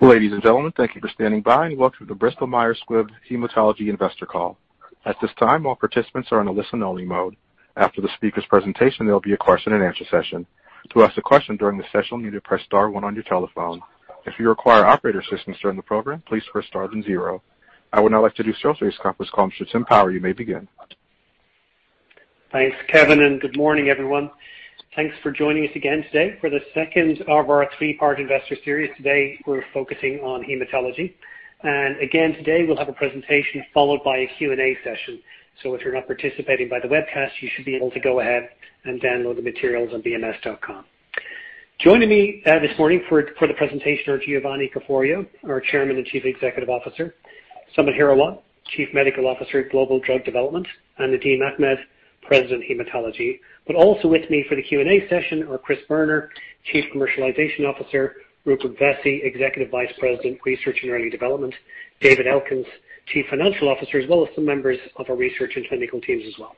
Ladies and gentlemen, thank you for standing by and welcome to the Bristol Myers Squibb Hematology Investor Call. At this time, all participants are in a listen only mode. After the speaker's presentation, there'll be a question and answer session. To ask a question during the session, you need to press star one on your telephone. If you require operator assistance during the program, please press star then zero. I would now like to introduce your host for this conference call. Mr. Tim Power, you may begin. Thanks, Kevin. Good morning, everyone. Thanks for joining us again today for the second of our three-part investor series. Today, we're focusing on hematology. Again, today we'll have a presentation followed by a Q&A session. If you're not participating by the webcast, you should be able to go ahead and download the materials on bms.com. Joining me this morning for the presentation are Giovanni Caforio, our Chairman and Chief Executive Officer, Samit Hirawat, Chief Medical Officer of Global Drug Development, and Nadim Ahmed, President of Hematology. Also with me for the Q&A session are Chris Boerner, Chief Commercialization Officer, Rupert Vessey, Executive Vice President, Research and Early Development, David Elkins, Chief Financial Officer, as well as some members of our research and clinical teams as well.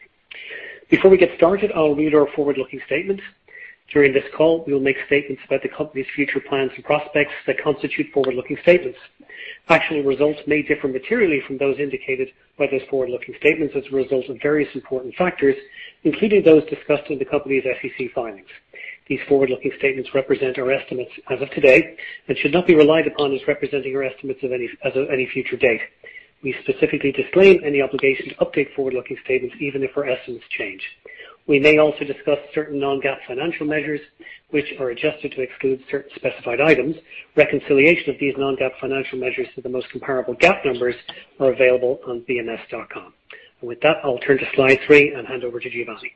Before we get started, I'll read our forward-looking statement. During this call, we will make statements about the company's future plans and prospects that constitute forward-looking statements. Actual results may differ materially from those indicated by those forward-looking statements as a result of various important factors, including those discussed in the company's SEC filings. These forward-looking statements represent our estimates as of today and should not be relied upon as representing our estimates as of any future date. We specifically disclaim any obligation to update forward-looking statements, even if our estimates change. We may also discuss certain non-GAAP financial measures which are adjusted to exclude certain specified items. Reconciliation of these non-GAAP financial measures to the most comparable GAAP numbers are available on bms.com. With that, I'll turn to slide three and hand over to Giovanni.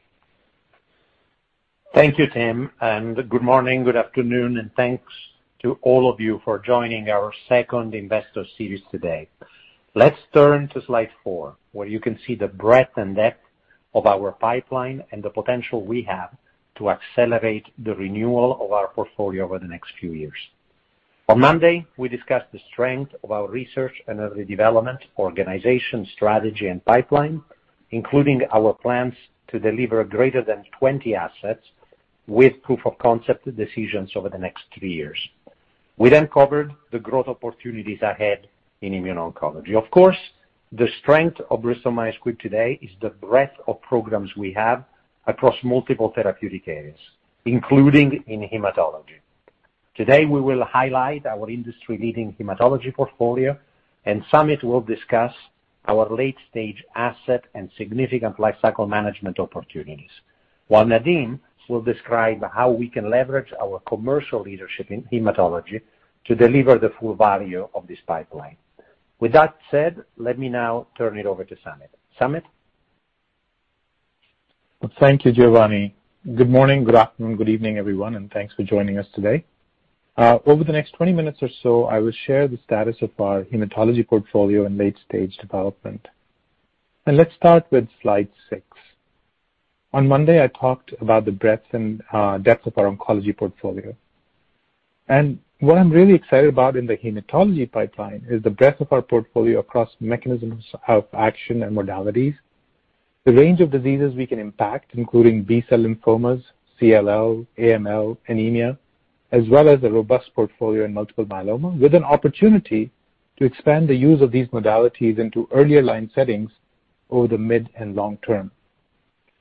Thank you, Tim. Good morning, good afternoon, and thanks to all of you for joining our second investor series today. Let's turn to slide four, where you can see the breadth and depth of our pipeline and the potential we have to accelerate the renewal of our portfolio over the next few years. On Monday, we discussed the strength of our research and early development, organization, strategy, and pipeline, including our plans to deliver greater than 20 assets with proof of concept decisions over the next three years. We covered the growth opportunities ahead in immuno-oncology. Of course, the strength of Bristol Myers Squibb today is the breadth of programs we have across multiple therapeutic areas, including in hematology. Today, we will highlight our industry-leading hematology portfolio, and Samit will discuss our late-stage asset and significant lifecycle management opportunities, while Nadim will describe how we can leverage our commercial leadership in hematology to deliver the full value of this pipeline. With that said, let me now turn it over to Samit. Samit? Thank you, Giovanni. Good morning, good afternoon, good evening, everyone, and thanks for joining us today. Over the next 20 minutes or so, I will share the status of our hematology portfolio in late-stage development. Let's start with slide six. On Monday, I talked about the breadth and depth of our oncology portfolio. What I'm really excited about in the hematology pipeline is the breadth of our portfolio across mechanisms of action and modalities, the range of diseases we can impact, including B-cell lymphomas, CLL, AML, anemia, as well as a robust portfolio in multiple myeloma, with an opportunity to expand the use of these modalities into earlier line settings over the mid and long term.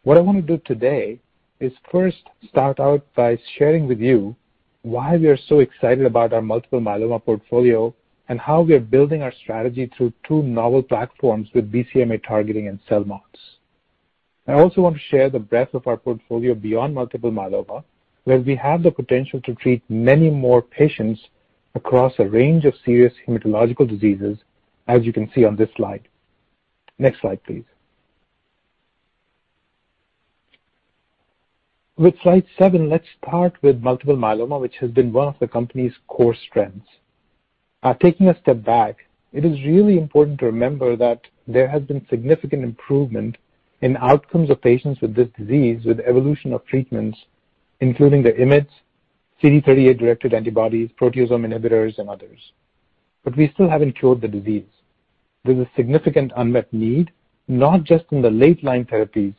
What I want to do today is first start out by sharing with you why we are so excited about our multiple myeloma portfolio and how we are building our strategy through two novel platforms with BCMA targeting and CELMoDs. I also want to share the breadth of our portfolio beyond multiple myeloma, where we have the potential to treat many more patients across a range of serious hematological diseases, as you can see on this slide. Next slide, please. With slide seven, let's start with multiple myeloma, which has been one of the company's core strengths. Taking a step back, it is really important to remember that there has been significant improvement in outcomes of patients with this disease, with evolution of treatments, including the IMiD, CD38-directed antibodies, proteasome inhibitors, and others. We still haven't cured the disease. There's a significant unmet need, not just in the late-line therapies,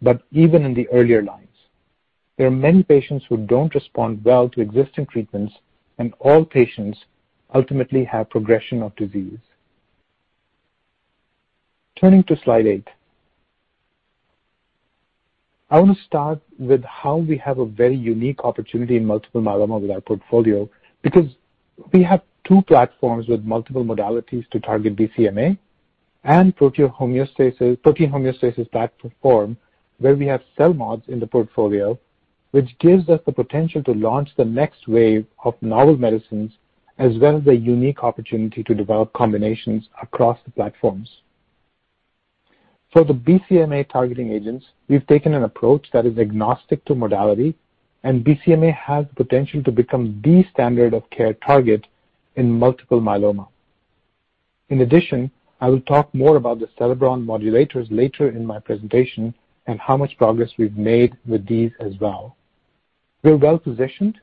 but even in the earlier lines. There are many patients who don't respond well to existing treatments, and all patients ultimately have progression of disease. Turning to slide eight. I want to start with how we have a very unique opportunity in multiple myeloma with our portfolio, because we have two platforms with multiple modalities to target BCMA and protein homeostasis platform, where we have CELMoDs in the portfolio, which gives us the potential to launch the next wave of novel medicines, as well as a unique opportunity to develop combinations across the platforms. For the BCMA targeting agents, we've taken an approach that is agnostic to modality, BCMA has the potential to become the standard of care target in multiple myeloma. In addition, I will talk more about the cereblon modulators later in my presentation and how much progress we've made with these as well. We're well-positioned,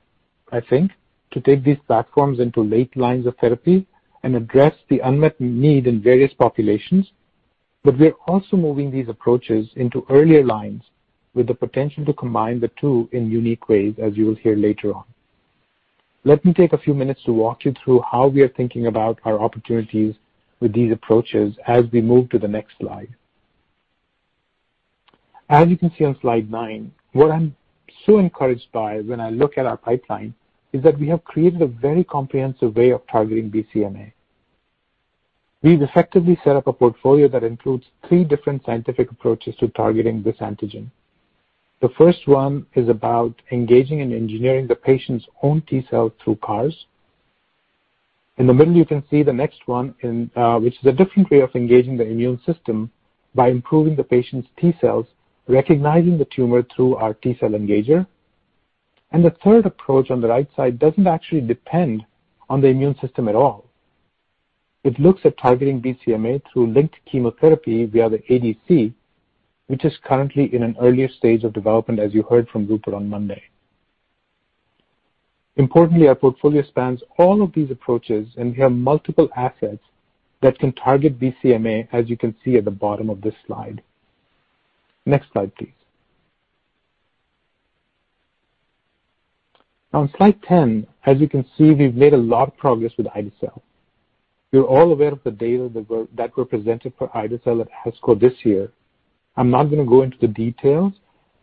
I think, to take these platforms into late lines of therapy and address the unmet need in various populations. We're also moving these approaches into earlier lines with the potential to combine the two in unique ways, as you will hear later on. Let me take a few minutes to walk you through how we are thinking about our opportunities with these approaches as we move to the next slide. You can see on slide nine, what I'm so encouraged by when I look at our pipeline is that we have created a very comprehensive way of targeting BCMA. We've effectively set up a portfolio that includes three different scientific approaches to targeting this antigen. The first one is about engaging and engineering the patient's own T-cell through CARs. In the middle, you can see the next one, which is a different way of engaging the immune system by improving the patient's T-cells, recognizing the tumor through our T-cell engager. The third approach on the right side doesn't actually depend on the immune system at all. It looks at targeting BCMA through linked chemotherapy via the ADC, which is currently in an earlier stage of development, as you heard from Rupert on Monday. Importantly, our portfolio spans all of these approaches, and we have multiple assets that can target BCMA, as you can see at the bottom of this slide. Next slide, please. On slide 10, as you can see, we've made a lot of progress with ide-cel. You're all aware of the data that were presented for ide-cel at ASCO this year. I'm not going to go into the details.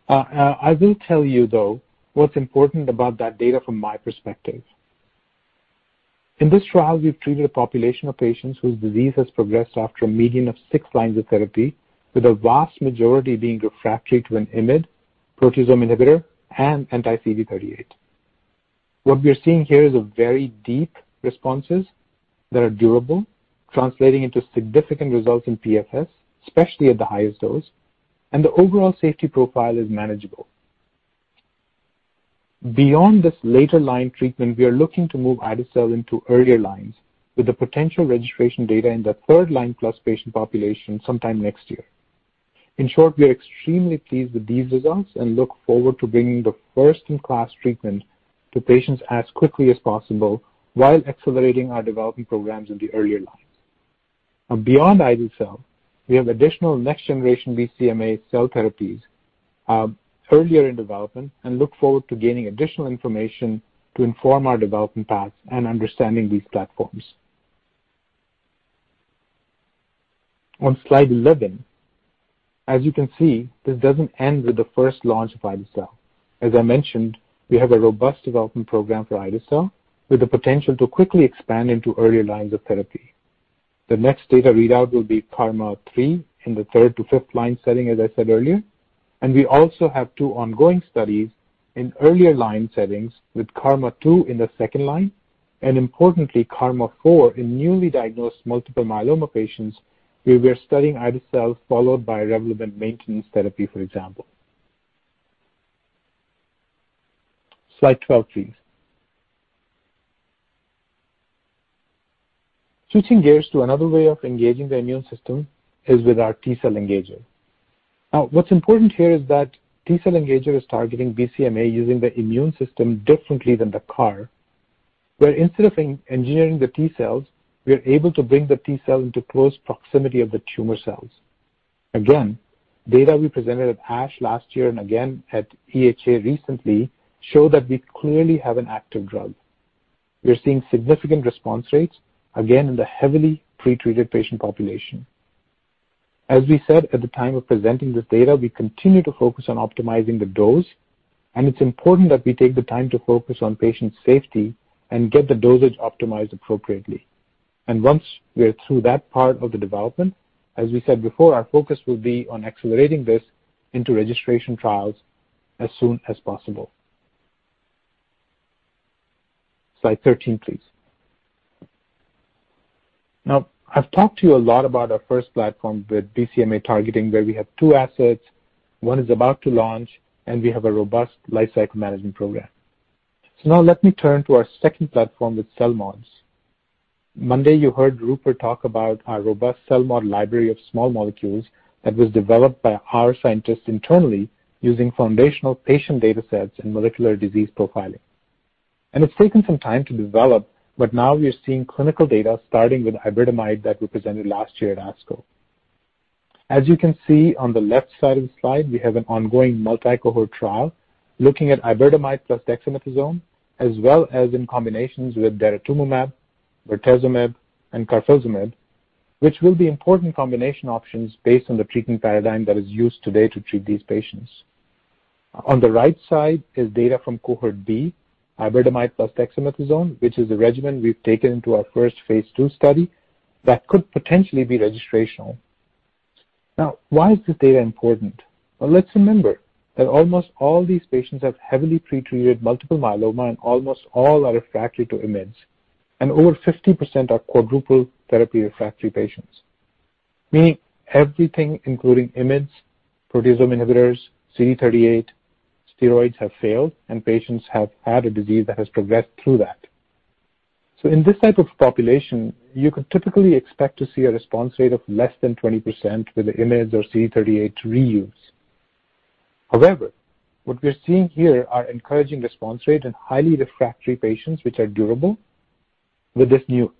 I will tell you, though, what's important about that data from my perspective. In this trial, we've treated a population of patients whose disease has progressed after a median of six lines of therapy, with a vast majority being refractory to an IMiD, proteasome inhibitor, and anti-CD38. What we are seeing here is very deep responses that are durable, translating into significant results in PFS, especially at the highest dose, and the overall safety profile is manageable. Beyond this later line treatment, we are looking to move ide-cel into earlier lines with the potential registration data in the third-line-plus patient population sometime next year. In short, we are extremely pleased with these results and look forward to bringing the first-in-class treatment to patients as quickly as possible while accelerating our development programs in the earlier lines. Beyond ide-cel, we have additional next-generation BCMA cell therapies earlier in development and look forward to gaining additional information to inform our development paths and understanding these platforms. On slide 11, as you can see, this doesn't end with the first launch of ide-cel. As I mentioned, we have a robust development program for ide-cel with the potential to quickly expand into earlier lines of therapy. The next data readout will be KarMMa-3 in the third to fifth line setting, as I said earlier. We also have two ongoing studies in earlier line settings with KarMMa-2 in the second line and importantly, KarMMa-4 in newly diagnosed multiple myeloma patients, where we are studying ide-cel followed by relevant maintenance therapy, for example. Slide 12, please. Switching gears to another way of engaging the immune system is with our T-cell engager. What's important here is that T-cell engager is targeting BCMA using the immune system differently than the CAR, where instead of engineering the T-cells, we are able to bring the T-cell into close proximity of the tumor cells. Data we presented at ASH last year and again at EHA recently show that we clearly have an active drug. We are seeing significant response rates, again, in the heavily pre-treated patient population. As we said at the time of presenting this data, we continue to focus on optimizing the dose, and it's important that we take the time to focus on patient safety and get the dosage optimized appropriately. Once we're through that part of the development, as we said before, our focus will be on accelerating this into registration trials as soon as possible. Slide 13, please. I've talked to you a lot about our first platform with BCMA targeting, where we have two assets. One is about to launch, and we have a robust lifecycle management program. Now let me turn to our second platform with CELMoDs. Monday, you heard Rupert talk about our robust CELMoD library of small molecules that was developed by our scientists internally using foundational patient data sets and molecular disease profiling. It's taken some time to develop, but now we are seeing clinical data starting with iberdomide that we presented last year at ASCO. As you can see on the left side of the slide, we have an ongoing multi-cohort trial looking at iberdomide plus dexamethasone as well as in combinations with daratumumab, bortezomib, and carfilzomib, which will be important combination options based on the treatment paradigm that is used today to treat these patients. On the right side is data from cohort B, iberdomide plus dexamethasone, which is a regimen we've taken into our first phase II study that could potentially be registrational. Why is this data important? Well, let's remember that almost all these patients have heavily pre-treated multiple myeloma and almost all are refractory to IMiDs, and over 50% are quadruple therapy refractory patients, meaning everything, including IMiDs, proteasome inhibitors, CD38, steroids have failed, and patients have had a disease that has progressed through that. In this type of population, you could typically expect to see a response rate of less than 20% with the IMiDs or CD38 reuse. However, what we are seeing here are encouraging response rates in highly refractory patients which are durable with this new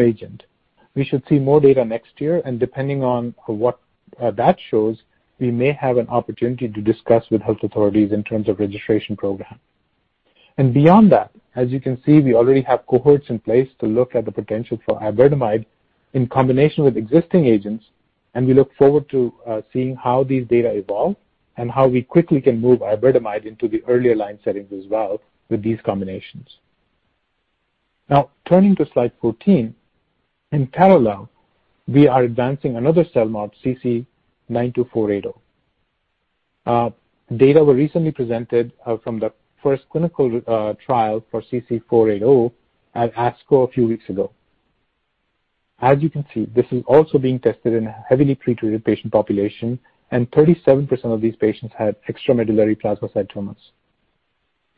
agent. We should see more data next year. Depending on what that shows, we may have an opportunity to discuss with health authorities in terms of registration program. Beyond that, as you can see, we already have cohorts in place to look at the potential for iberdomide in combination with existing agents, and we look forward to seeing how these data evolve and how we quickly can move iberdomide into the earlier line settings as well with these combinations. Now turning to slide 14. In parallel, we are advancing another CELMoD, CC-92480. Data were recently presented from the first clinical trial for CC-92480 at ASCO a few weeks ago. As you can see, this is also being tested in a heavily pre-treated patient population, and 37% of these patients had extramedullary plasmacytomas.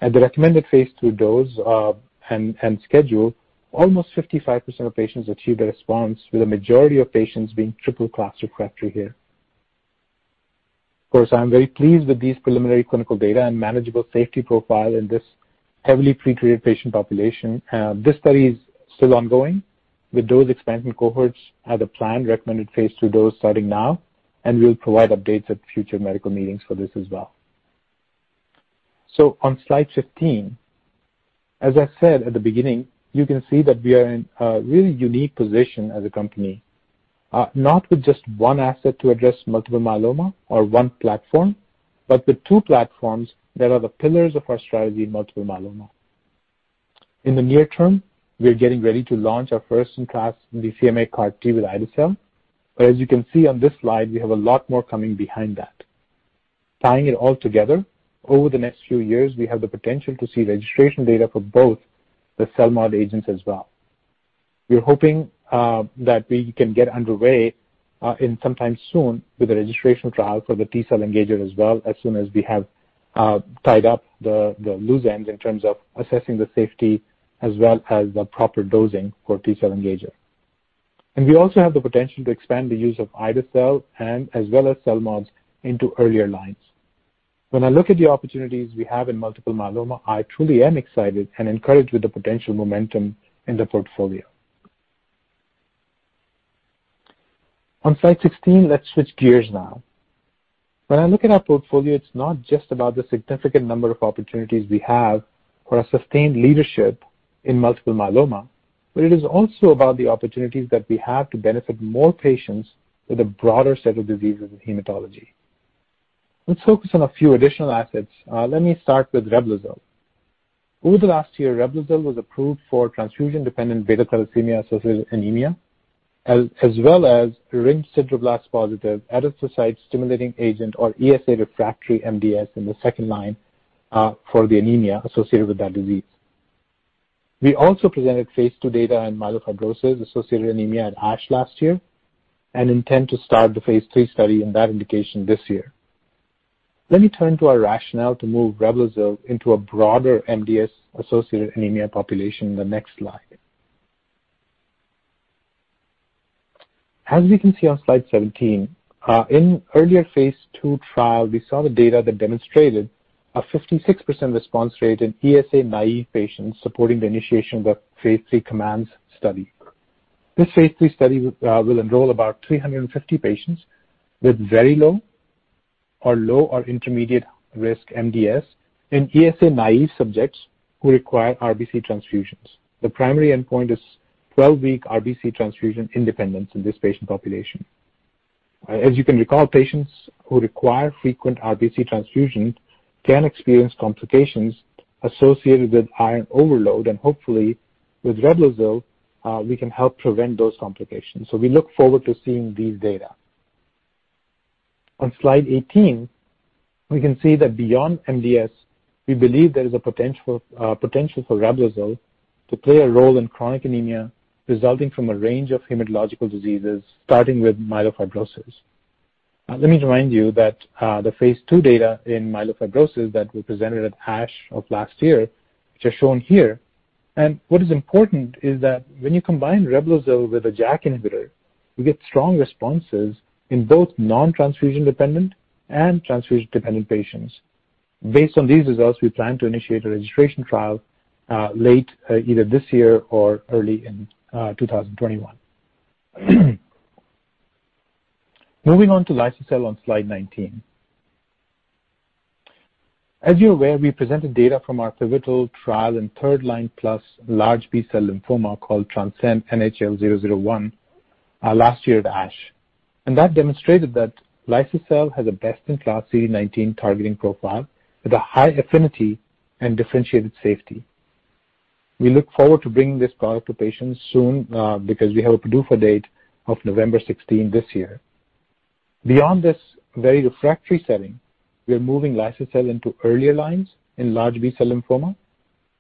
At the recommended phase II dose and schedule, almost 55% of patients achieved a response, with a majority of patients being triple-class refractory here. Of course, I'm very pleased with these preliminary clinical data and manageable safety profile in this heavily pre-treated patient population. This study is still ongoing with dose expansion cohorts as a planned recommended phase II dose starting now. We'll provide updates at future medical meetings for this as well. On slide 15, as I said at the beginning, you can see that we are in a really unique position as a company, not with just one asset to address multiple myeloma or one platform, but with two platforms that are the pillars of our strategy in multiple myeloma. In the near term, we are getting ready to launch our first-in-class BCMA CAR T with ide-cel. As you can see on this slide, we have a lot more coming behind that. Tying it all together, over the next few years, we have the potential to see registration data for both the CELMoD agents as well. We are hoping that we can get underway sometime soon with a registration trial for the T-cell engager as well, as soon as we have tied up the loose ends in terms of assessing the safety as well as the proper dosing for T-cell engager. We also have the potential to expand the use of ide-cel as well as CELMoDs into earlier lines. When I look at the opportunities we have in multiple myeloma, I truly am excited and encouraged with the potential momentum in the portfolio. On slide 16, let's switch gears now. When I look at our portfolio, it's not just about the significant number of opportunities we have for a sustained leadership in multiple myeloma, but it is also about the opportunities that we have to benefit more patients with a broader set of diseases in hematology. Let's focus on a few additional assets. Let me start with REBLOZYL. Over the last year, REBLOZYL was approved for transfusion-dependent beta thalassemia associated anemia, as well as ring sideroblasts positive erythropoiesis stimulating agent, or ESA-refractory MDS in the second line for the anemia associated with that disease. We also presented phase II data in myelofibrosis-associated anemia at ASH last year and intend to start the phase III study in that indication this year. Let me turn to our rationale to move REBLOZYL into a broader MDS-associated anemia population in the next slide. On slide 17, in earlier phase II trial, we saw the data that demonstrated a 56% response rate in ESA-naive patients supporting the initiation of the phase III COMMANDS study. This phase III study will enroll about 350 patients with very low or low or intermediate risk MDS in ESA-naive subjects who require RBC transfusions. The primary endpoint is 12-week RBC transfusion independence in this patient population. You can recall, patients who require frequent RBC transfusions can experience complications associated with iron overload, and hopefully with REBLOZYL, we can help prevent those complications. We look forward to seeing these data. On slide 18, we can see that beyond MDS, we believe there is a potential for REBLOZYL to play a role in chronic anemia resulting from a range of hematological diseases, starting with myelofibrosis. Let me remind you that the phase II data in myelofibrosis that we presented at ASH of last year, which are shown here. What is important is that when you combine REBLOZYL with a JAK inhibitor, we get strong responses in both non-transfusion dependent and transfusion-dependent patients. Based on these results, we plan to initiate a registration trial late either this year or early in 2021. Moving on to liso-cel on slide 19. As you're aware, we presented data from our pivotal trial in third-line plus large B-cell lymphoma called TRANSCEND NHL 001 last year at ASH, that demonstrated that liso-cel has a best-in-class CD19 targeting profile with a high affinity and differentiated safety. We look forward to bringing this product to patients soon because we have a PDUFA date of November 16 this year. Beyond this very refractory setting, we are moving liso-cel into earlier lines in large B-cell lymphoma,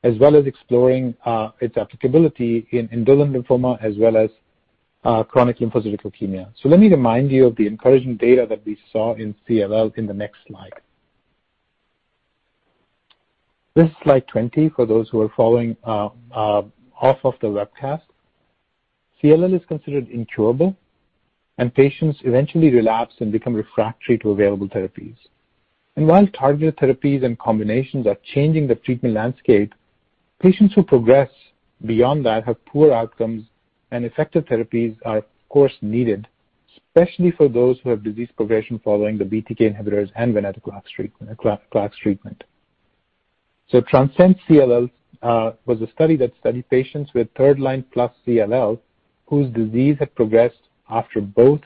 as well as exploring its applicability in indolent lymphoma as well as chronic lymphocytic leukemia. Let me remind you of the encouraging data that we saw in CLL in the next slide. This is slide 20 for those who are following off of the webcast. CLL is considered incurable, and patients eventually relapse and become refractory to available therapies. While targeted therapies and combinations are changing the treatment landscape, patients who progress beyond that have poor outcomes, and effective therapies are, of course, needed, especially for those who have disease progression following the BTK inhibitors and venetoclax treatment. TRANSCEND-CLL was a study that studied patients with third-line plus CLL whose disease had progressed after both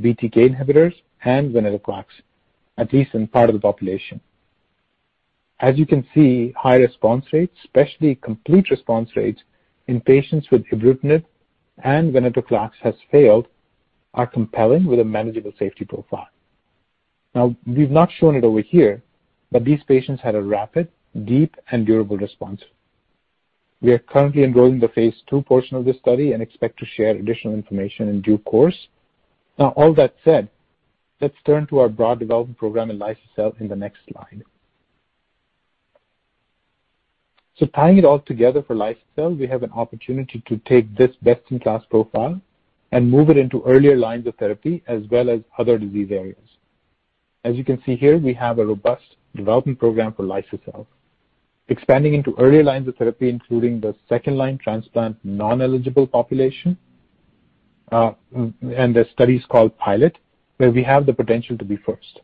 BTK inhibitors and venetoclax, at least in part of the population. As you can see, high response rates, especially complete response rates in patients with ibrutinib and venetoclax has failed, are compelling with a manageable safety profile. We've not shown it over here, but these patients had a rapid, deep, and durable response. We are currently enrolling the phase II portion of this study and expect to share additional information in due course. All that said, let's turn to our broad development program in liso-cel in the next slide. Tying it all together for liso-cel, we have an opportunity to take this best-in-class profile and move it into earlier lines of therapy as well as other disease areas. As you can see here, we have a robust development program for liso-cel, expanding into earlier lines of therapy, including the second-line transplant non-eligible population, and the study is called PILOT, where we have the potential to be first.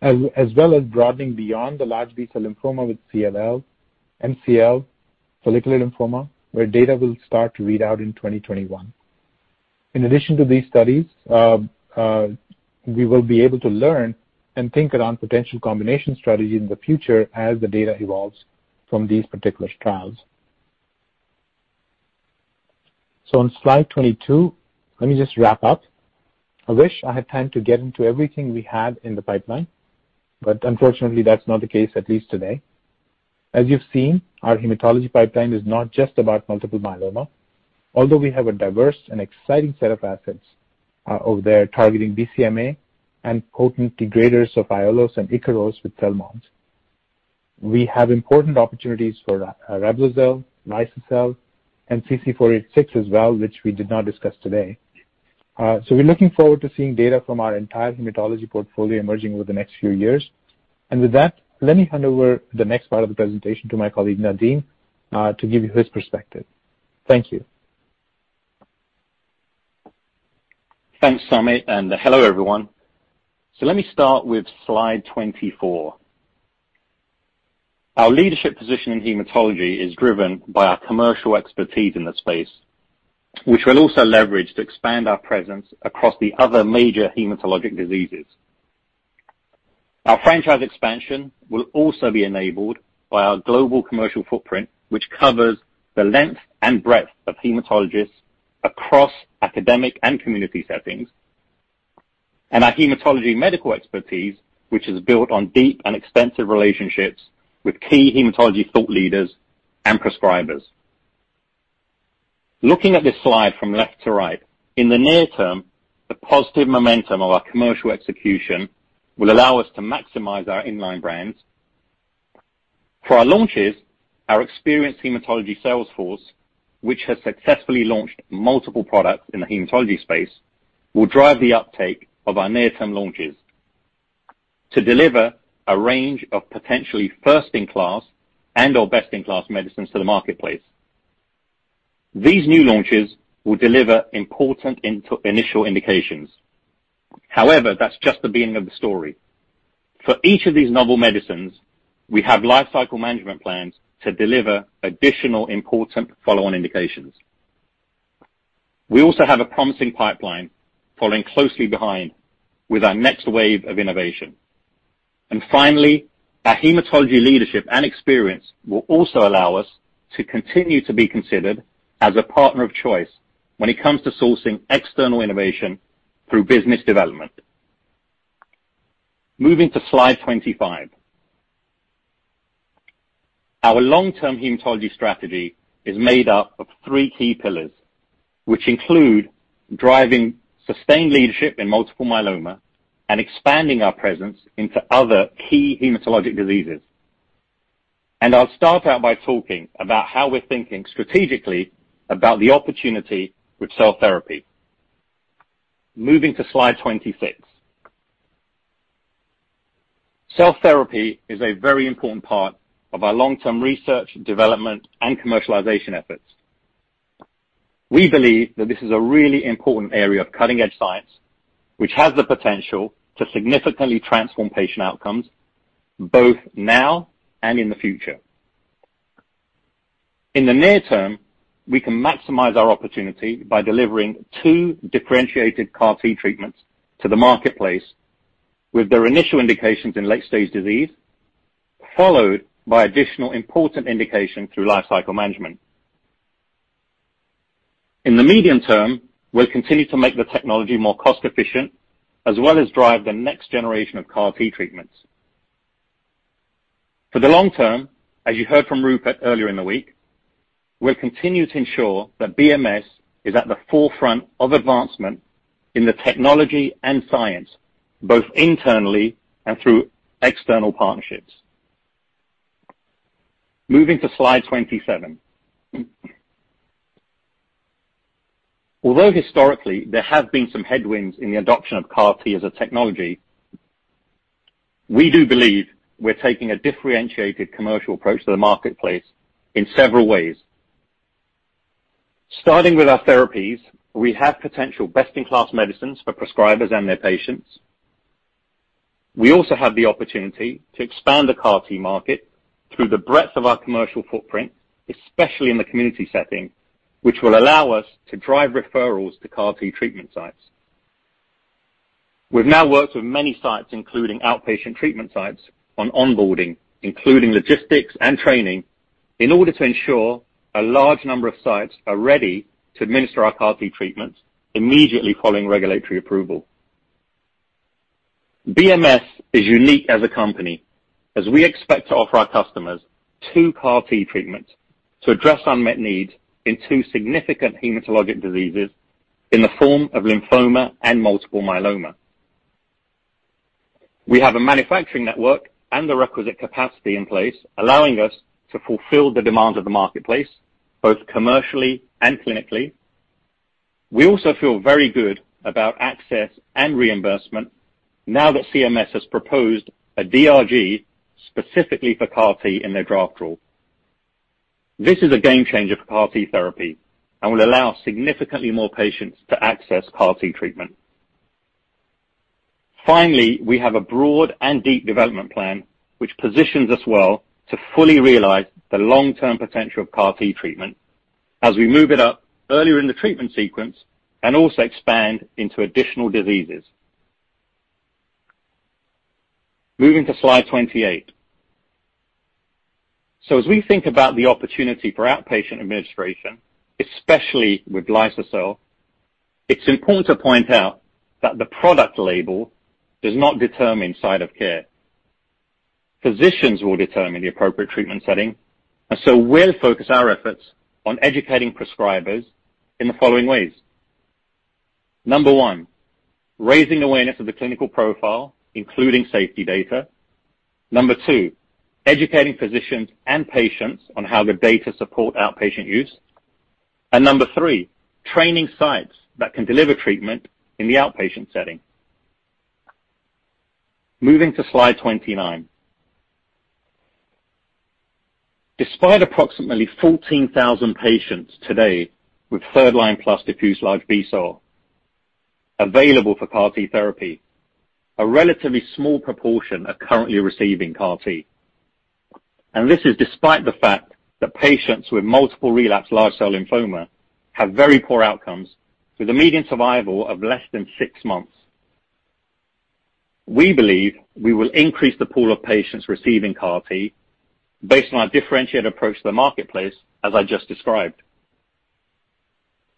As well as broadening beyond the large B-cell lymphoma with CLL, MCL, follicular lymphoma, where data will start to read out in 2021. In addition to these studies, we will be able to learn and think around potential combination strategy in the future as the data evolves from these particular trials. On slide 22, let me just wrap up. I wish I had time to get into everything we have in the pipeline, but unfortunately, that's not the case, at least today. As you've seen, our hematology pipeline is not just about multiple myeloma. We have a diverse and exciting set of assets over there targeting BCMA and potent degraders of Aiolos and Ikaros with CELMoD. We have important opportunities for REBLOZYL, liso-cel, and CC-486 as well, which we did not discuss today. We're looking forward to seeing data from our entire hematology portfolio emerging over the next few years. With that, let me hand over the next part of the presentation to my colleague, Nadim, to give you his perspective. Thank you. Thanks, Samit, and hello, everyone. Let me start with slide 24. Our leadership position in hematology is driven by our commercial expertise in the space, which we'll also leverage to expand our presence across the other major hematologic diseases. Our franchise expansion will also be enabled by our global commercial footprint, which covers the length and breadth of hematologists across academic and community settings, and our hematology medical expertise, which is built on deep and extensive relationships with key hematology thought leaders and prescribers. Looking at this slide from left to right, in the near term, the positive momentum of our commercial execution will allow us to maximize our in-line brands. For our launches, our experienced hematology sales force, which has successfully launched multiple products in the hematology space, will drive the uptake of our near-term launches to deliver a range of potentially first-in-class and/or best-in-class medicines to the marketplace. These new launches will deliver important initial indications. That's just the beginning of the story. For each of these novel medicines, we have lifecycle management plans to deliver additional important follow-on indications. We also have a promising pipeline following closely behind with our next wave of innovation. Finally, our hematology leadership and experience will also allow us to continue to be considered as a partner of choice when it comes to sourcing external innovation through business development. Moving to slide 25. Our long-term hematology strategy is made up of three key pillars, which include driving sustained leadership in multiple myeloma and expanding our presence into other key hematologic diseases. I'll start out by talking about how we're thinking strategically about the opportunity with cell therapy. Moving to slide 26. Cell therapy is a very important part of our long-term research, development, and commercialization efforts. We believe that this is a really important area of cutting-edge science, which has the potential to significantly transform patient outcomes, both now and in the future. In the near term, we can maximize our opportunity by delivering two differentiated CAR T treatments to the marketplace with their initial indications in late-stage disease, followed by additional important indication through lifecycle management. In the medium term, we'll continue to make the technology more cost efficient, as well as drive the next generation of CAR T treatments. For the long term, as you heard from Rupert earlier in the week. We'll continue to ensure that BMS is at the forefront of advancement in technology and science, both internally and through external partnerships. Moving to slide 27. Historically there have been some headwinds in the adoption of CAR T as a technology, we do believe we're taking a differentiated commercial approach to the marketplace in several ways. Starting with our therapies, we have potential best-in-class medicines for prescribers and their patients. We also have the opportunity to expand the CAR T market through the breadth of our commercial footprint, especially in the community setting, which will allow us to drive referrals to CAR T treatment sites. We've now worked with many sites, including outpatient treatment sites, on onboarding, including logistics and training, in order to ensure a large number of sites are ready to administer our CAR T treatments immediately following regulatory approval. BMS is unique as a company as we expect to offer our customers two CAR T treatments to address unmet needs in two significant hematologic diseases in the form of lymphoma and multiple myeloma. We have a manufacturing network and the requisite capacity in place, allowing us to fulfill the demands of the marketplace, both commercially and clinically. We also feel very good about access and reimbursement now that CMS has proposed a DRG specifically for CAR T in their draft rule. This is a game changer for CAR T therapy and will allow significantly more patients to access CAR T treatment. Finally, we have a broad and deep development plan which positions us well to fully realize the long-term potential of CAR T treatment as we move it up earlier in the treatment sequence and also expand into additional diseases. Moving to slide 28. As we think about the opportunity for outpatient administration, especially with liso-cel, it's important to point out that the product label does not determine site of care. Physicians will determine the appropriate treatment setting, and so we'll focus our efforts on educating prescribers in the following ways. Number one, raising awareness of the clinical profile, including safety data. Number two, educating physicians and patients on how the data support outpatient use. Number three, training sites that can deliver treatment in the outpatient setting. Moving to slide 29. Despite approximately 14,000 patients today with third-line plus diffuse large B-cell available for CAR T therapy, a relatively small proportion are currently receiving CAR T. This is despite the fact that patients with multiple relapse large cell lymphoma have very poor outcomes, with a median survival of less than six months. We believe we will increase the pool of patients receiving CAR T based on our differentiated approach to the marketplace, as I just described.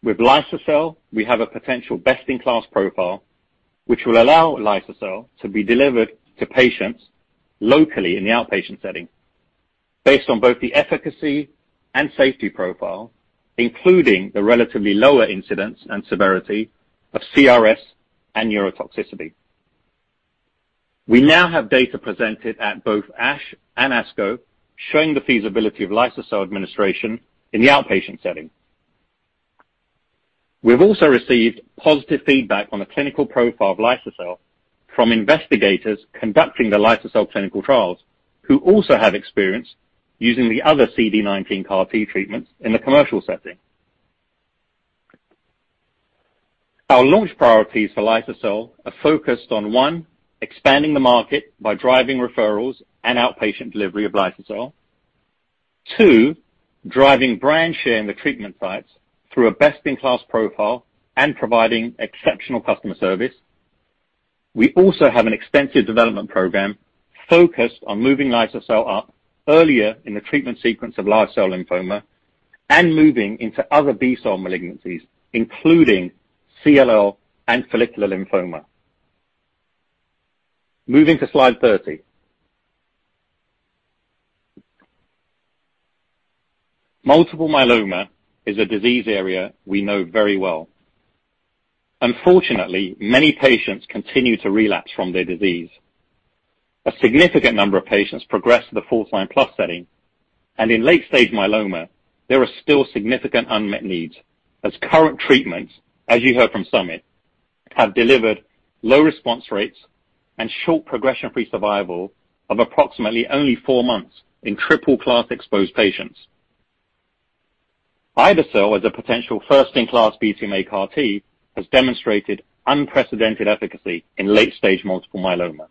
With liso-cel, we have a potential best-in-class profile, which will allow liso-cel to be delivered to patients locally in the outpatient setting based on both the efficacy and safety profile, including the relatively lower incidence and severity of CRS and neurotoxicity. We now have data presented at both ASH and ASCO showing the feasibility of liso-cel administration in the outpatient setting. We've also received positive feedback on the clinical profile of liso-cel from investigators conducting the liso-cel clinical trials, who also have experience using the other CD19 CAR T treatments in the commercial setting. Our launch priorities for liso-cel are focused on, one, expanding the market by driving referrals and outpatient delivery of liso-cel. Two, driving brand share in the treatment sites through a best-in-class profile and providing exceptional customer service. We also have an extensive development program focused on moving liso-cel up earlier in the treatment sequence of large cell lymphoma and moving into other B-cell malignancies, including CLL and follicular lymphoma. Moving to slide 30. Multiple myeloma is a disease area we know very well. Unfortunately, many patients continue to relapse from their disease. A significant number of patients progress to the fourth line-plus setting, and in late stage myeloma, there are still significant unmet needs as current treatments, as you heard from Samit, have delivered low response rates and short progression-free survival of approximately only four months in triple class exposed patients. ide-cel as a potential first-in-class BCMA CAR T has demonstrated unprecedented efficacy in late-stage multiple myeloma,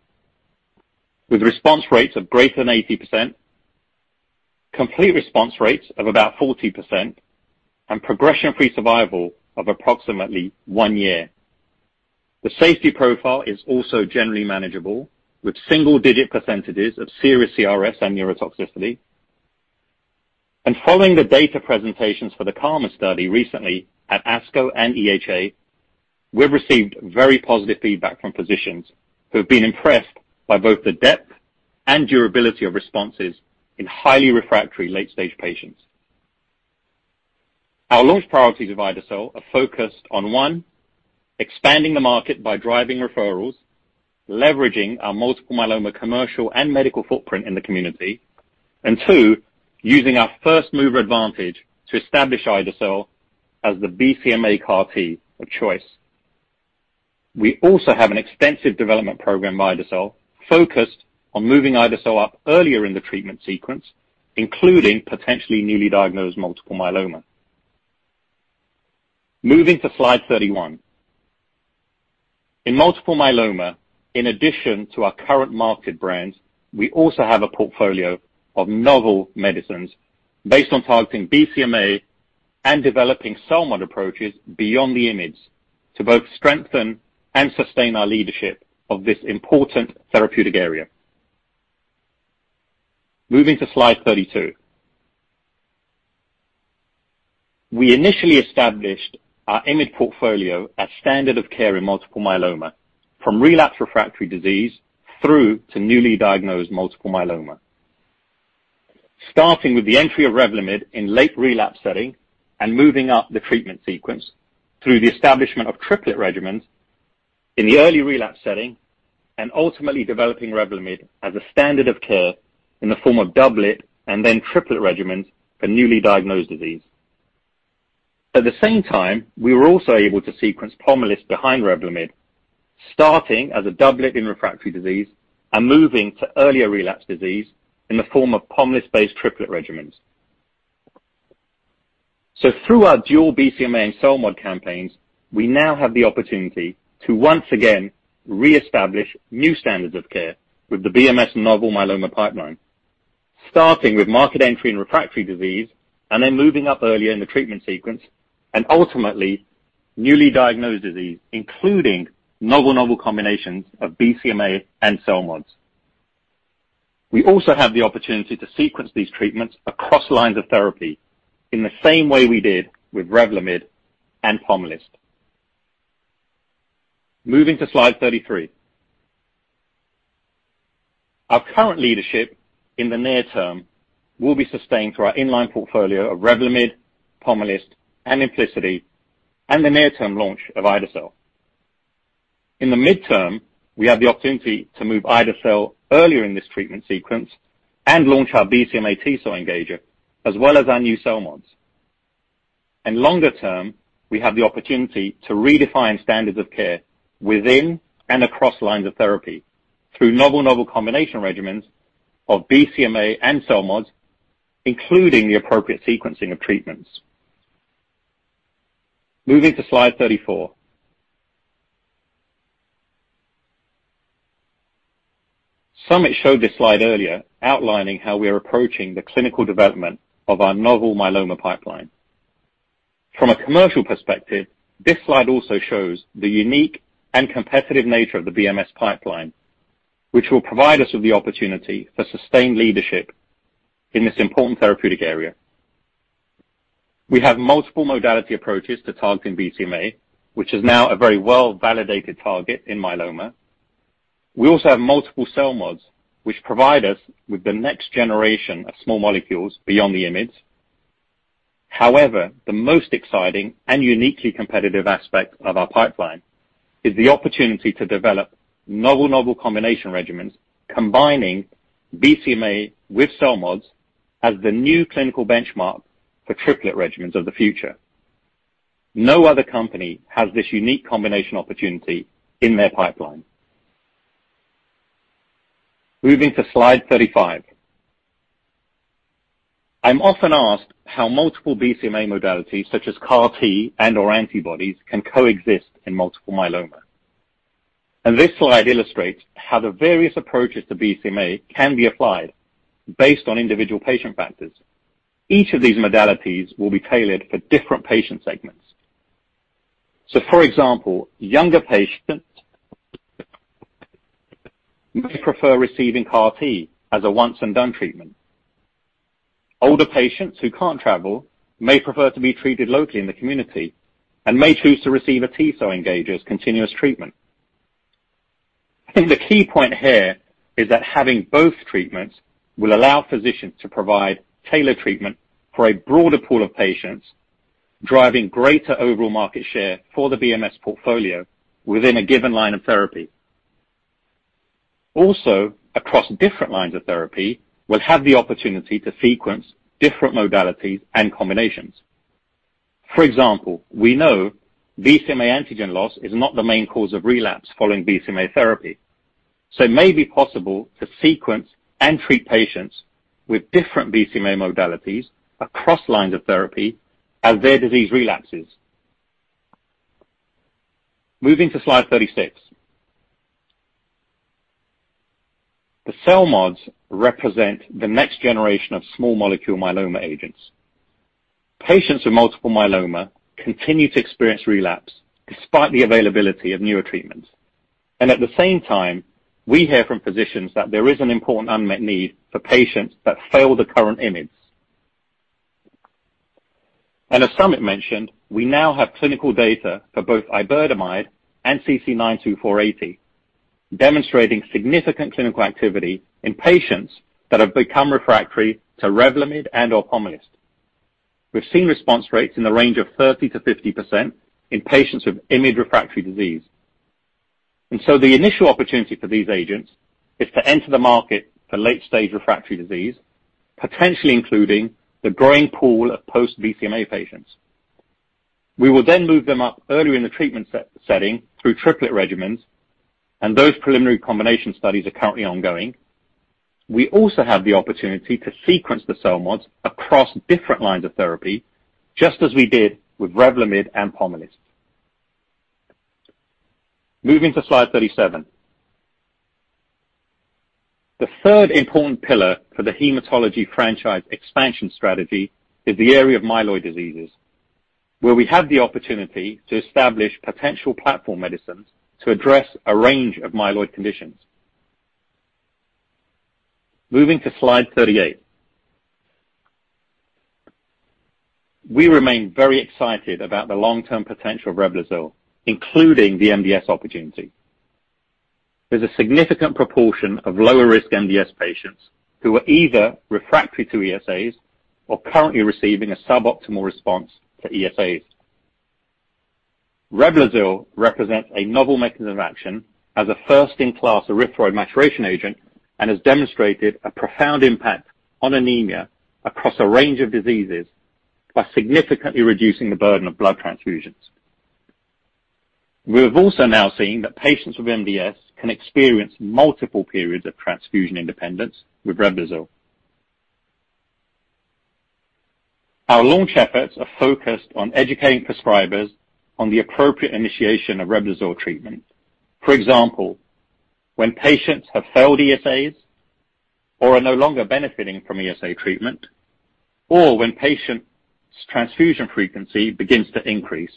with response rates of greater than 80%, complete response rates of about 40%, and progression-free survival of approximately one year. The safety profile is also generally manageable, with single-digit percentages of serious CRS and neurotoxicity. Following the data presentations for the KarMMa study recently at ASCO and EHA. We've received very positive feedback from physicians who have been impressed by both the depth and durability of responses in highly refractory late-stage patients. Our launch priorities of ide-cel are focused on, one, expanding the market by driving referrals, leveraging our multiple myeloma commercial and medical footprint in the community. Two, using our first-mover advantage to establish ide-cel as the BCMA CAR T of choice. We also have an extensive development program by ide-cel focused on moving ide-cel up earlier in the treatment sequence, including potentially newly diagnosed multiple myeloma. Moving to slide 31. In multiple myeloma, in addition to our current market brands, we also have a portfolio of novel medicines based on targeting BCMA and developing CELMoD approaches beyond the IMiDs, to both strengthen and sustain our leadership of this important therapeutic area. Moving to slide 32. We initially established our IMiD portfolio as standard of care in multiple myeloma, from relapsed/refractory disease through to newly diagnosed multiple myeloma. Starting with the entry of REVLIMID in late relapse setting and moving up the treatment sequence through the establishment of triplet regimens in the early relapse setting, and ultimately developing REVLIMID as a standard of care in the form of doublet and then triplet regimens for newly diagnosed disease. At the same time, we were also able to sequence POMALYST behind REVLIMID, starting as a doublet in refractory disease and moving to earlier relapse disease in the form of POMALYST-based triplet regimens. Through our dual BCMA and CELMoD campaigns, we now have the opportunity to once again reestablish new standards of care with the BMS novel myeloma pipeline, starting with market entry in refractory disease and then moving up earlier in the treatment sequence and ultimately newly diagnosed disease, including novel-novel combinations of BCMA and CELMoDs. We also have the opportunity to sequence these treatments across lines of therapy in the same way we did with REVLIMID and POMALYST. Moving to slide 33. Our current leadership in the near term will be sustained through our in-line portfolio of REVLIMID, POMALYST, and EMPLICITI, and the near-term launch of ide-cel. In the midterm, we have the opportunity to move ide-cel earlier in this treatment sequence and launch our BCMA T-cell engager, as well as our new CELMoDs. Longer term, we have the opportunity to redefine standards of care within and across lines of therapy through novel-novel combination regimens of BCMA and CELMoDs, including the appropriate sequencing of treatments. Moving to slide 34. Samit showed this slide earlier, outlining how we are approaching the clinical development of our novel myeloma pipeline. From a commercial perspective, this slide also shows the unique and competitive nature of the BMS pipeline, which will provide us with the opportunity for sustained leadership in this important therapeutic area. We have multiple modality approaches to targeting BCMA, which is now a very well-validated target in myeloma. We also have multiple CELMoDs, which provide us with the next generation of small molecules beyond the IMiDs. However, the most exciting and uniquely competitive aspect of our pipeline is the opportunity to develop novel-novel combination regimens combining BCMA with CELMoDs as the new clinical benchmark for triplet regimens of the future. No other company has this unique combination opportunity in their pipeline. Moving to slide 35. I'm often asked how multiple BCMA modalities such as CAR T and/or antibodies can coexist in multiple myeloma. This slide illustrates how the various approaches to BCMA can be applied based on individual patient factors. Each of these modalities will be tailored for different patient segments. For example, younger patients may prefer receiving CAR T as a once and done treatment. Older patients who can't travel may prefer to be treated locally in the community and may choose to receive a T-cell engager as continuous treatment. I think the key point here is that having both treatments will allow physicians to provide tailored treatment for a broader pool of patients, driving greater overall market share for the BMS portfolio within a given line of therapy. Across different lines of therapy, we'll have the opportunity to sequence different modalities and combinations. For example, we know BCMA antigen loss is not the main cause of relapse following BCMA therapy, so it may be possible to sequence and treat patients with different BCMA modalities across lines of therapy as their disease relapses. Moving to slide 36. The CELMoDs represent the next generation of small molecule myeloma agents. Patients with multiple myeloma continue to experience relapse despite the availability of newer treatments. At the same time, we hear from physicians that there is an important unmet need for patients that fail the current IMiDs. As Samit mentioned, we now have clinical data for both iberdomide and CC-92480, demonstrating significant clinical activity in patients that have become refractory to REVLIMID and/or POMALYST. We've seen response rates in the range of 30%-50% in patients with IMiD-refractory disease. The initial opportunity for these agents is to enter the market for late-stage refractory disease, potentially including the growing pool of post-BCMA patients. We will then move them up earlier in the treatment setting through triplet regimens, and those preliminary combination studies are currently ongoing. We also have the opportunity to sequence the CELMoDs across different lines of therapy, just as we did with REVLIMID and POMALYST. Moving to slide 37. The third important pillar for the hematology franchise expansion strategy is the area of myeloid diseases, where we have the opportunity to establish potential platform medicines to address a range of myeloid conditions. Moving to slide 38. We remain very excited about the long-term potential of REBLOZYL, including the MDS opportunity. There's a significant proportion of lower-risk MDS patients who are either refractory to ESAs or currently receiving a suboptimal response to ESAs. REBLOZYL represents a novel mechanism of action as a first-in-class erythroid maturation agent, and has demonstrated a profound impact on anemia across a range of diseases by significantly reducing the burden of blood transfusions. We have also now seen that patients with MDS can experience multiple periods of transfusion independence with REBLOZYL. Our launch efforts are focused on educating prescribers on the appropriate initiation of REBLOZYL treatment. For example, when patients have failed ESAs or are no longer benefiting from ESA treatment, or when patients' transfusion frequency begins to increase.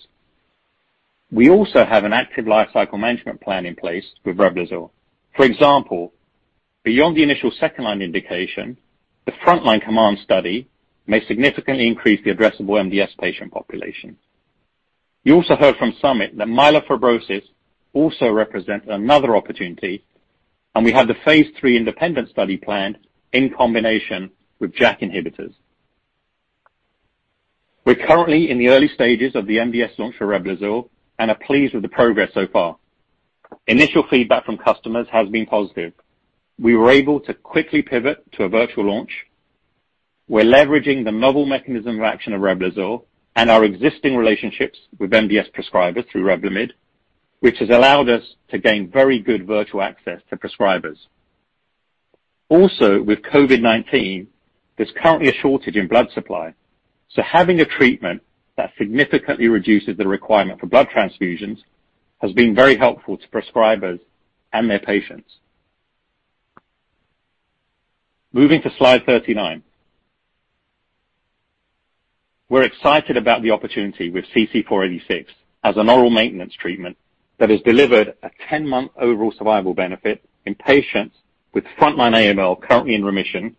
We also have an active lifecycle management plan in place with REBLOZYL. For example, beyond the initial second-line indication, the frontline COMMANDS study may significantly increase the addressable MDS patient population. You also heard from Samit that myelofibrosis also represents another opportunity, and we have the phase III independent study planned in combination with JAK inhibitors. We're currently in the early stages of the MDS launch for REBLOZYL and are pleased with the progress so far. Initial feedback from customers has been positive. We were able to quickly pivot to a virtual launch. We're leveraging the novel mechanism of action of REBLOZYL and our existing relationships with MDS prescribers through REVLIMID, which has allowed us to gain very good virtual access to prescribers. With COVID-19, there's currently a shortage in blood supply, so having a treatment that significantly reduces the requirement for blood transfusions has been very helpful to prescribers and their patients. Moving to slide 39. We're excited about the opportunity with CC-486 as an oral maintenance treatment that has delivered a 10-month overall survival benefit in patients with frontline AML currently in remission,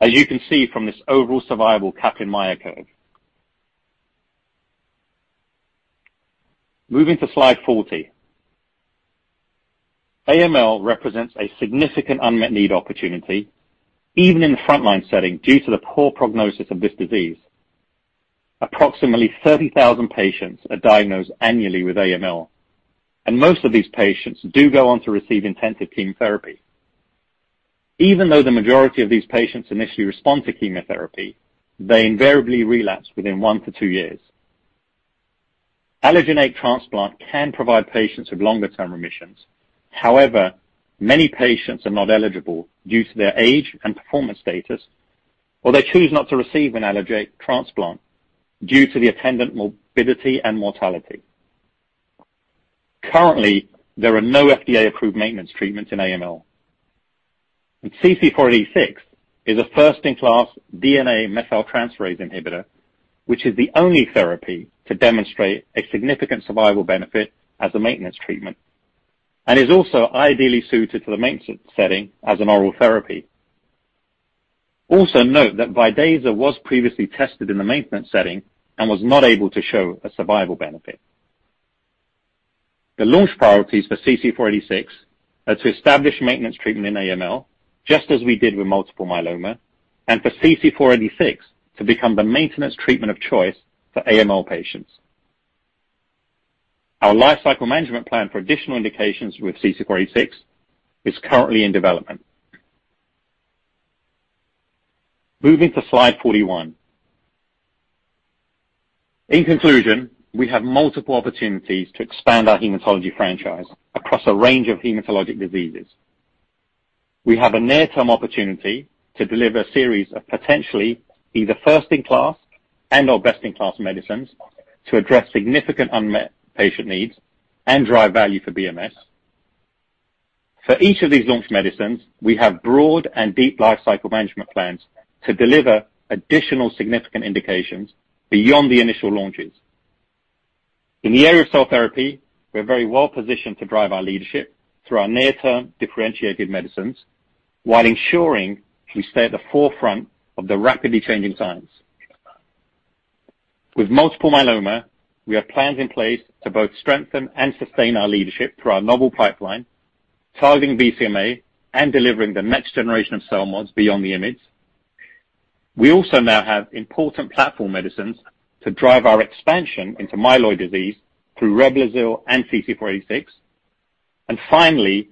as you can see from this overall survival Kaplan-Meier curve. Moving to slide 40. AML represents a significant unmet need opportunity, even in the frontline setting, due to the poor prognosis of this disease. Approximately 30,000 patients are diagnosed annually with AML, most of these patients do go on to receive intensive chemotherapy. Even though the majority of these patients initially respond to chemotherapy, they invariably relapse within one to two years. Allogeneic transplant can provide patients with longer-term remissions. However, many patients are not eligible due to their age and performance status, or they choose not to receive an allogeneic transplant due to the attendant morbidity and mortality. Currently, there are no FDA-approved maintenance treatments in AML. CC-486 is a first-in-class DNA methyltransferase inhibitor, which is the only therapy to demonstrate a significant survival benefit as a maintenance treatment and is also ideally suited to the maintenance setting as an oral therapy. Note that VIDAZA was previously tested in the maintenance setting and was not able to show a survival benefit. The launch priorities for CC-486 are to establish maintenance treatment in AML, just as we did with multiple myeloma, and for CC-486 to become the maintenance treatment of choice for AML patients. Our lifecycle management plan for additional indications with CC-486 is currently in development. Moving to slide 41. In conclusion, we have multiple opportunities to expand our hematology franchise across a range of hematologic diseases. We have a near-term opportunity to deliver a series of potentially either first-in-class and/or best-in-class medicines to address significant unmet patient needs and drive value for BMS. For each of these launch medicines, we have broad and deep lifecycle management plans to deliver additional significant indications beyond the initial launches In the area of cell therapy, we are very well positioned to drive our leadership through our near-term differentiated medicines while ensuring we stay at the forefront of the rapidly changing science. With multiple myeloma, we have plans in place to both strengthen and sustain our leadership through our novel pipeline, targeting BCMA and delivering the next generation of CELMoDs beyond the IMiDs. We also now have important platform medicines to drive our expansion into myeloid disease through REBLOZYL and CC-486. Finally,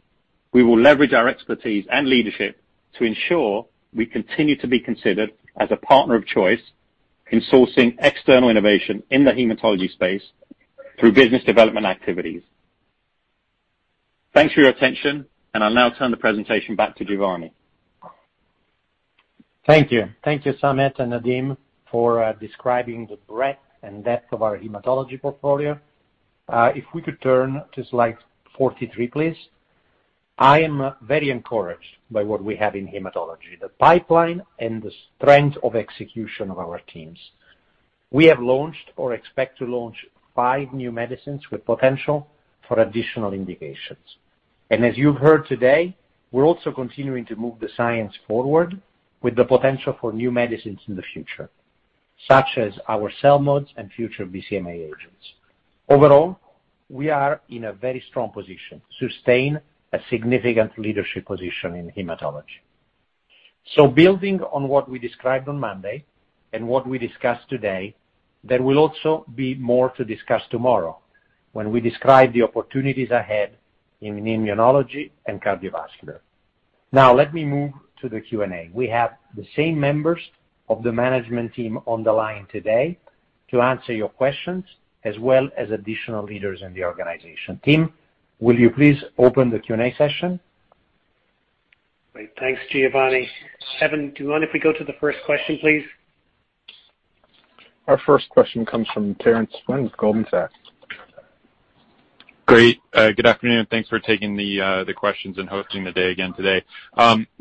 we will leverage our expertise and leadership to ensure we continue to be considered as a partner of choice in sourcing external innovation in the hematology space through business development activities. Thanks for your attention, I'll now turn the presentation back to Giovanni. Thank you. Thank you, Samit and Nadim, for describing the breadth and depth of our hematology portfolio. If we could turn to slide 43, please. I am very encouraged by what we have in hematology, the pipeline and the strength of execution of our teams. We have launched or expect to launch five new medicines with potential for additional indications. As you've heard today, we're also continuing to move the science forward with the potential for new medicines in the future, such as our CELMoDs and future BCMA agents. Overall, we are in a very strong position to sustain a significant leadership position in hematology. Building on what we described on Monday and what we discussed today, there will also be more to discuss tomorrow when we describe the opportunities ahead in immunology and cardiovascular. Now let me move to the Q&A. We have the same members of the management team on the line today to answer your questions, as well as additional leaders in the organization. Tim, will you please open the Q&A session? Great. Thanks, Giovanni. Kevin, do you mind if we go to the first question, please? Our first question comes from Terence Flynn with Goldman Sachs. Great. Good afternoon. Thanks for taking the questions and hosting the day again today.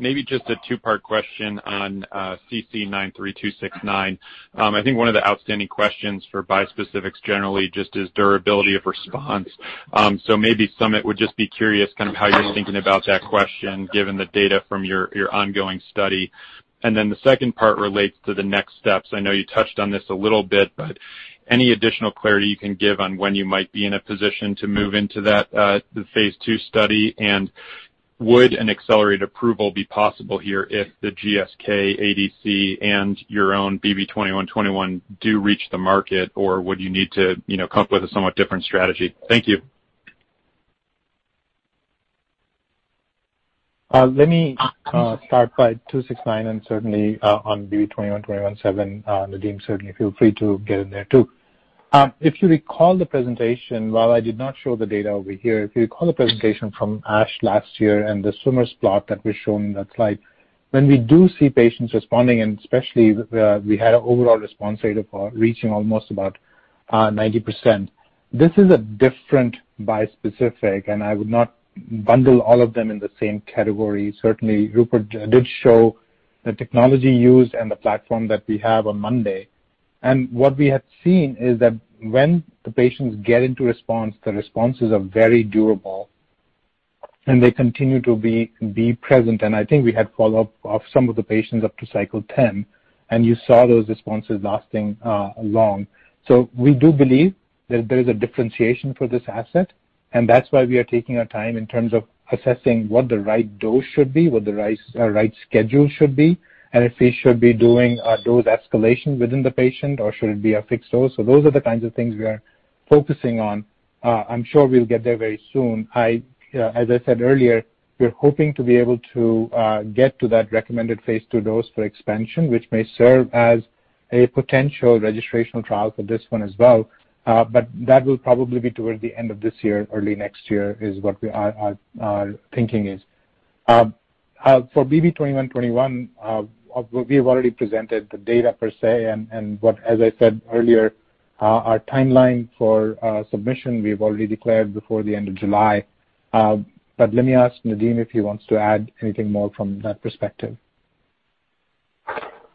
Maybe just a two-part question on CC-93269. I think one of the outstanding questions for bispecifics generally just is durability of response. Maybe, Samit, would just be curious kind of how you're thinking about that question given the data from your ongoing study. The second part relates to the next steps. I know you touched on this a little bit, any additional clarity you can give on when you might be in a position to move into that, the phase II study, and would an accelerated approval be possible here if the GSK ADC and your own bb2121 do reach the market? Would you need to come up with a somewhat different strategy? Thank you. Let me start by CC-93269 and certainly on bb21217. Nadim, certainly feel free to get in there too. If you recall the presentation, while I did not show the data over here, if you recall the presentation from ASH last year and the swimmers plot that we're showing that slide, when we do see patients responding, and especially where we had an overall response rate of reaching almost about 90%. This is a different bispecific, I would not bundle all of them in the same category. Certainly, Rupert did show the technology used and the platform that we have on Monday. What we have seen is that when the patients get into response, the responses are very durable, and they continue to be present. I think we had follow-up of some of the patients up to cycle 10, and you saw those responses lasting long. We do believe that there is a differentiation for this asset, and that's why we are taking our time in terms of assessing what the right dose should be, what the right schedule should be, and if we should be doing a dose escalation within the patient, or should it be a fixed dose. Those are the kinds of things we are focusing on. I'm sure we'll get there very soon. As I said earlier, we're hoping to be able to get to that recommended phase II dose for expansion, which may serve as a potential registrational trial for this one as well. That will probably be towards the end of this year, early next year is what our thinking is. For bb2121, we have already presented the data per se, and as I said earlier our timeline for submission, we've already declared before the end of July. Let me ask Nadim if he wants to add anything more from that perspective.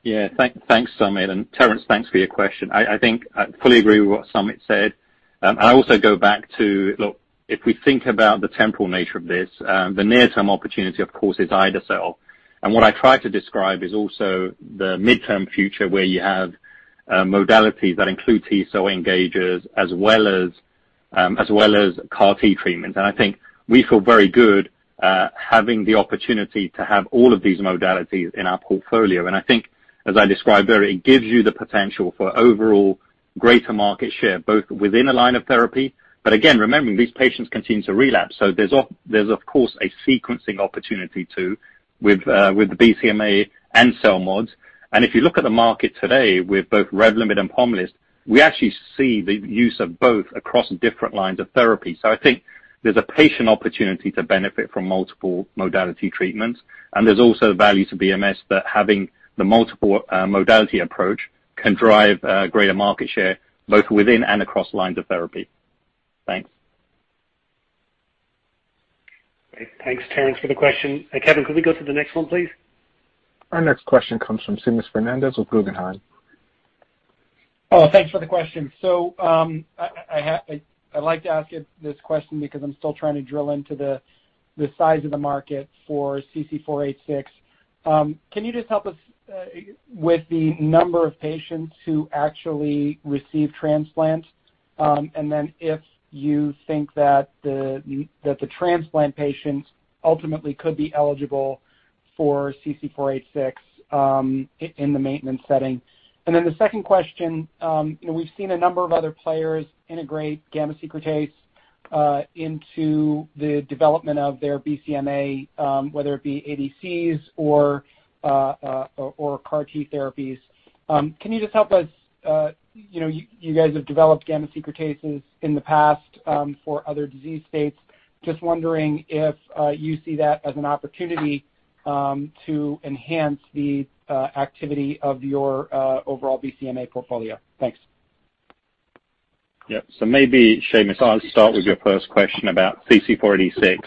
Yeah. Thanks, Samit. Terence, thanks for your question. I think I fully agree with what Samit said. I also go back to, look, if we think about the temporal nature of this, the near-term opportunity, of course, is ide-cel. What I try to describe is also the midterm future where you have modalities that include T-cell engagers as well as CAR T treatment. I think we feel very good having the opportunity to have all of these modalities in our portfolio. I think as I described earlier, it gives you the potential for overall greater market share, both within a line of therapy. But again, remembering these patients continue to relapse. There's of course, a sequencing opportunity too with the BCMA and CELMoDs. If you look at the market today with both REVLIMID and POMALYST, we actually see the use of both across different lines of therapy. I think there's a patient opportunity to benefit from multiple modality treatments, and there's also value to BMS that having the multiple modality approach can drive greater market share both within and across lines of therapy. Thanks. Great. Thanks, Terence, for the question. Kevin, could we go to the next one, please? Our next question comes from Seamus Fernandez with Guggenheim. Oh, thanks for the question. I'd like to ask you this question because I'm still trying to drill into the size of the market for CC-486. Can you just help us with the number of patients who actually receive transplants, and then if you think that the transplant patients ultimately could be eligible for CC-486, in the maintenance setting? The second question, we've seen a number of other players integrate gamma secretase into the development of their BCMA, whether it be ADCs or CAR T therapies. Can you just help us, you guys have developed gamma secretases in the past, for other disease states. Just wondering if you see that as an opportunity to enhance the activity of your overall BCMA portfolio. Thanks. Yep. Maybe, Seamus, I'll start with your first question about CC-486.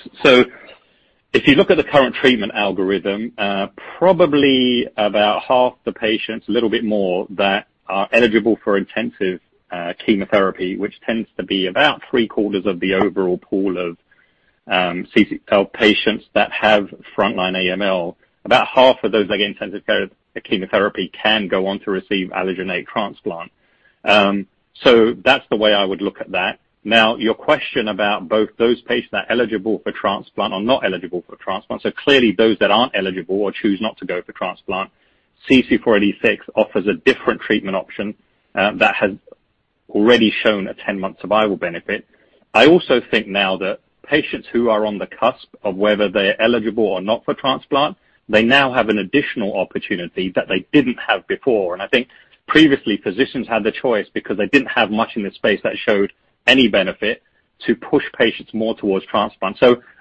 If you look at the current treatment algorithm, probably about half the patients, a little bit more, that are eligible for intensive chemotherapy, which tends to be about three-quarters of the overall pool of patients that have frontline AML. About half of those that get intensive chemotherapy can go on to receive allogeneic transplant. That's the way I would look at that. Your question about both those patients that are eligible for transplant or not eligible for transplant. Clearly those that aren't eligible or choose not to go for transplant, CC-486 offers a different treatment option, that has already shown a 10-month survival benefit. I also think now that patients who are on the cusp of whether they're eligible or not for transplant, they now have an additional opportunity that they didn't have before. I think previously, physicians had the choice because they didn't have much in this space that showed any benefit to push patients more towards transplant.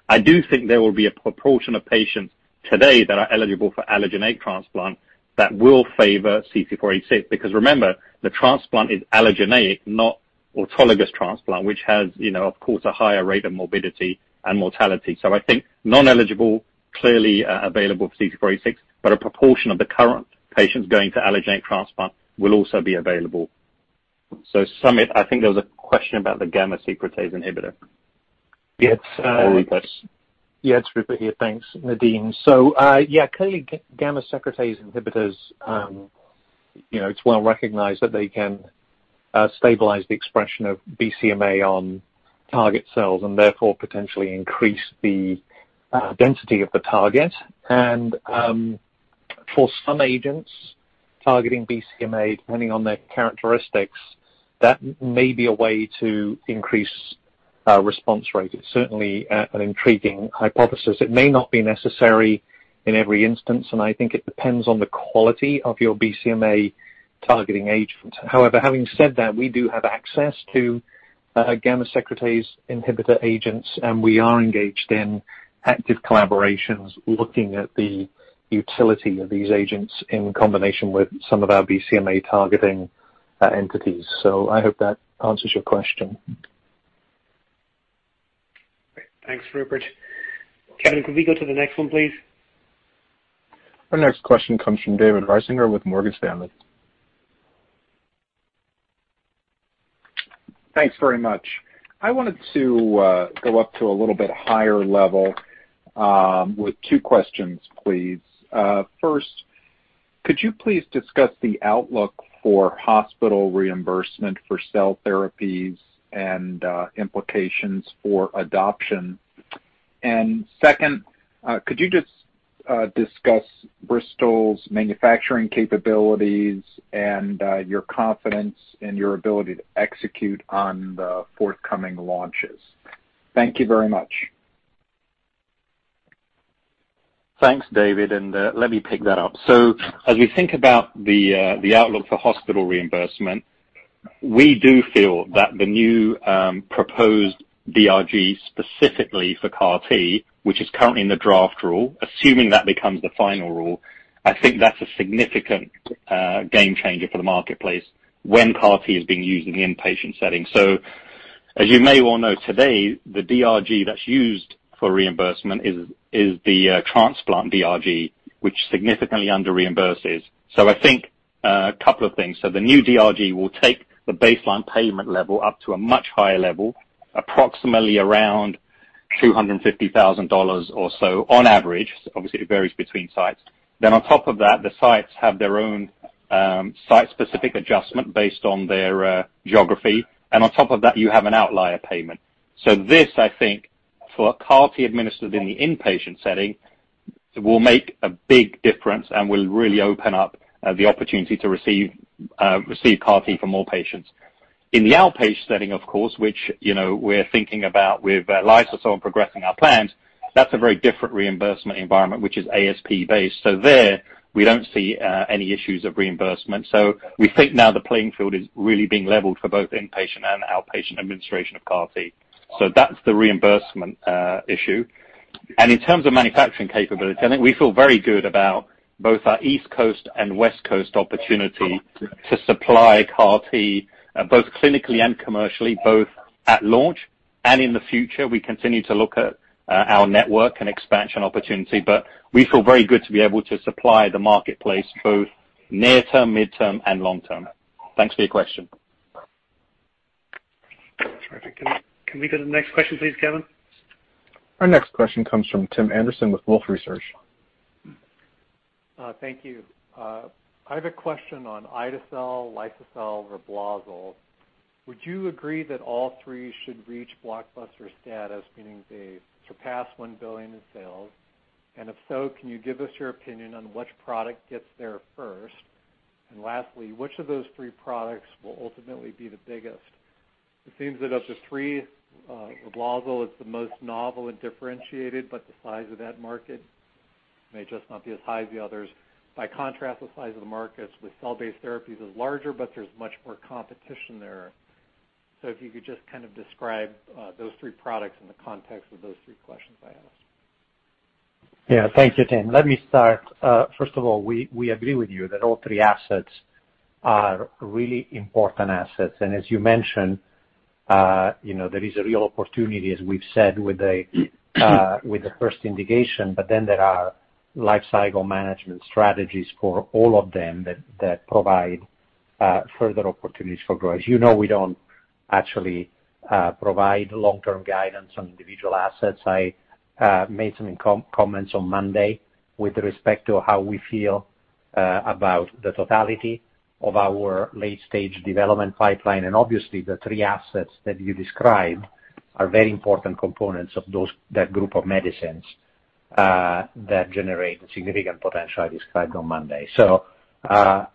I do think there will be a proportion of patients today that are eligible for allogeneic transplant that will favor CC-486. Because remember, the transplant is allogeneic, not autologous transplant, which has, of course, a higher rate of morbidity and mortality. I think non-eligible, clearly available for CC-486, but a proportion of the current patients going to allogeneic transplant will also be available. Samit, I think there was a question about the gamma secretase inhibitor. Yes. Go Rupert. Yeah, it's Rupert here. Thanks, Nadim. Yeah, clearly gamma secretase inhibitors, it's well recognized that they can stabilize the expression of BCMA on target cells and therefore potentially increase the density of the target. For some agents targeting BCMA, depending on their characteristics, that may be a way to increase response rates. It's certainly an intriguing hypothesis. It may not be necessary in every instance, and I think it depends on the quality of your BCMA targeting agent. However, having said that, we do have access to gamma secretase inhibitor agents, and we are engaged in active collaborations looking at the utility of these agents in combination with some of our BCMA targeting entities. I hope that answers your question. Great. Thanks, Rupert. Kevin, could we go to the next one, please? Our next question comes from David Risinger with Morgan Stanley. Thanks very much. I wanted to go up to a little bit higher level, with two questions, please. First, could you please discuss the outlook for hospital reimbursement for cell therapies and implications for adoption? Second, could you just discuss Bristol's manufacturing capabilities and your confidence in your ability to execute on the forthcoming launches? Thank you very much. Thanks, David. Let me pick that up. As we think about the outlook for hospital reimbursement, we do feel that the new proposed DRG specifically for CAR T, which is currently in the draft rule, assuming that becomes the final rule, I think that's a significant game changer for the marketplace when CAR T is being used in the inpatient setting. As you may well know, today, the DRG that's used for reimbursement is the transplant DRG, which significantly under-reimburses. I think a couple of things. The new DRG will take the baseline payment level up to a much higher level, approximately around $250,000 or so on average. Obviously, it varies between sites. On top of that, the sites have their own site-specific adjustment based on their geography. On top of that, you have an outlier payment. This, I think, for CAR T administered in the inpatient setting, will make a big difference and will really open up the opportunity to receive CAR T for more patients. In the outpatient setting, of course, which we're thinking about with liso-cel some progressing our plans, that's a very different reimbursement environment, which is ASP-based. There we don't see any issues of reimbursement. We think now the playing field is really being leveled for both inpatient and outpatient administration of CAR T. That's the reimbursement issue. In terms of manufacturing capability, I think we feel very good about both our East Coast and West Coast opportunity to supply CAR T, both clinically and commercially, both at launch and in the future. We continue to look at our network and expansion opportunity. We feel very good to be able to supply the marketplace, both near-term, mid-term, and long-term. Thanks for your question. Terrific. Can we go to the next question please, Kevin? Our next question comes from Tim Anderson with Wolfe Research. Thank you. I have a question on ide-cel, liso-cel or REBLOZYL. Would you agree that all three should reach blockbuster status, meaning they surpass $1 billion in sales? If so, can you give us your opinion on which product gets there first? Lastly, which of those three products will ultimately be the biggest? It seems that of the three, REBLOZYL is the most novel and differentiated, but the size of that market may just not be as high as the others. By contrast, the size of the markets with cell-based therapies is larger, but there's much more competition there. If you could just describe those three products in the context of those three questions I asked. Yeah. Thank you, Tim. Let me start. First of all, we agree with you that all three assets are really important assets. As you mentioned, there is a real opportunity, as we've said, with the first indication, there are life cycle management strategies for all of them that provide further opportunities for growth. You know we don't actually provide long-term guidance on individual assets. I made some comments on Monday with respect to how we feel about the totality of our late-stage development pipeline. Obviously, the three assets that you described are very important components of that group of medicines that generate the significant potential I described on Monday. We're not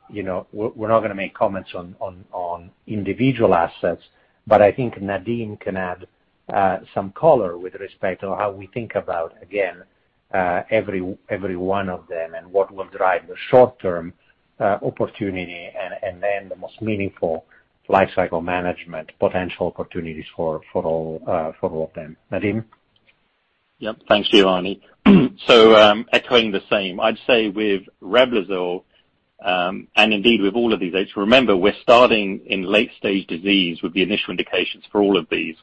going to make comments on individual assets, but I think Nadim can add some color with respect on how we think about, again, every one of them and what will drive the short-term opportunity and then the most meaningful life cycle management potential opportunities for all of them. Nadim? Yep. Thanks, Giovanni. Echoing the same. I'd say with REBLOZYL, indeed with all of these, remember, we're starting in late-stage disease with the initial indications for all of these,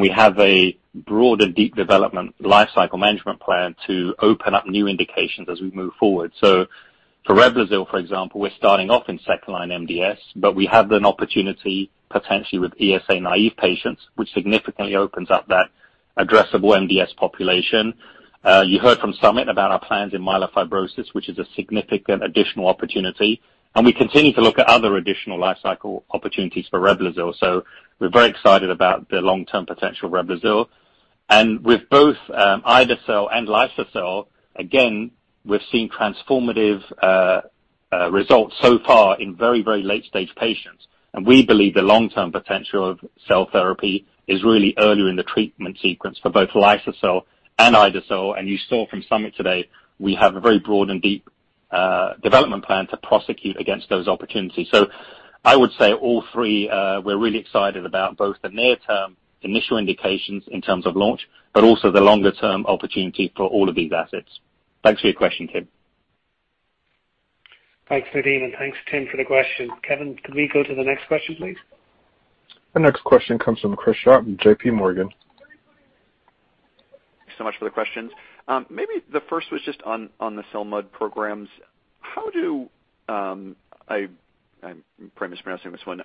we have a broad and deep development life cycle management plan to open up new indications as we move forward. For REBLOZYL, for example, we're starting off in second-line MDS, we have an opportunity potentially with ESA-naive patients, which significantly opens up that addressable MDS population. You heard from Samit about our plans in myelofibrosis, which is a significant additional opportunity, we continue to look at other additional life cycle opportunities for REBLOZYL. We're very excited about the long-term potential of REBLOZYL. With both ide-cel and liso-cel, again, we've seen transformative results so far in very late-stage patients. We believe the long-term potential of cell therapy is really early in the treatment sequence for both liso-cel and ide-cel. You saw from Samit today, we have a very broad and deep development plan to prosecute against those opportunities. I would say all three, we're really excited about both the near term, initial indications in terms of launch, but also the longer-term opportunity for all of these assets. Thanks for your question, Tim. Thanks, Nadim, and thanks, Tim, for the question. Kevin, could we go to the next question, please? The next question comes from Chris Schott, JPMorgan. Thanks so much for the questions. Maybe the first was just on the CELMoD programs. How do, I'm probably mispronouncing this one,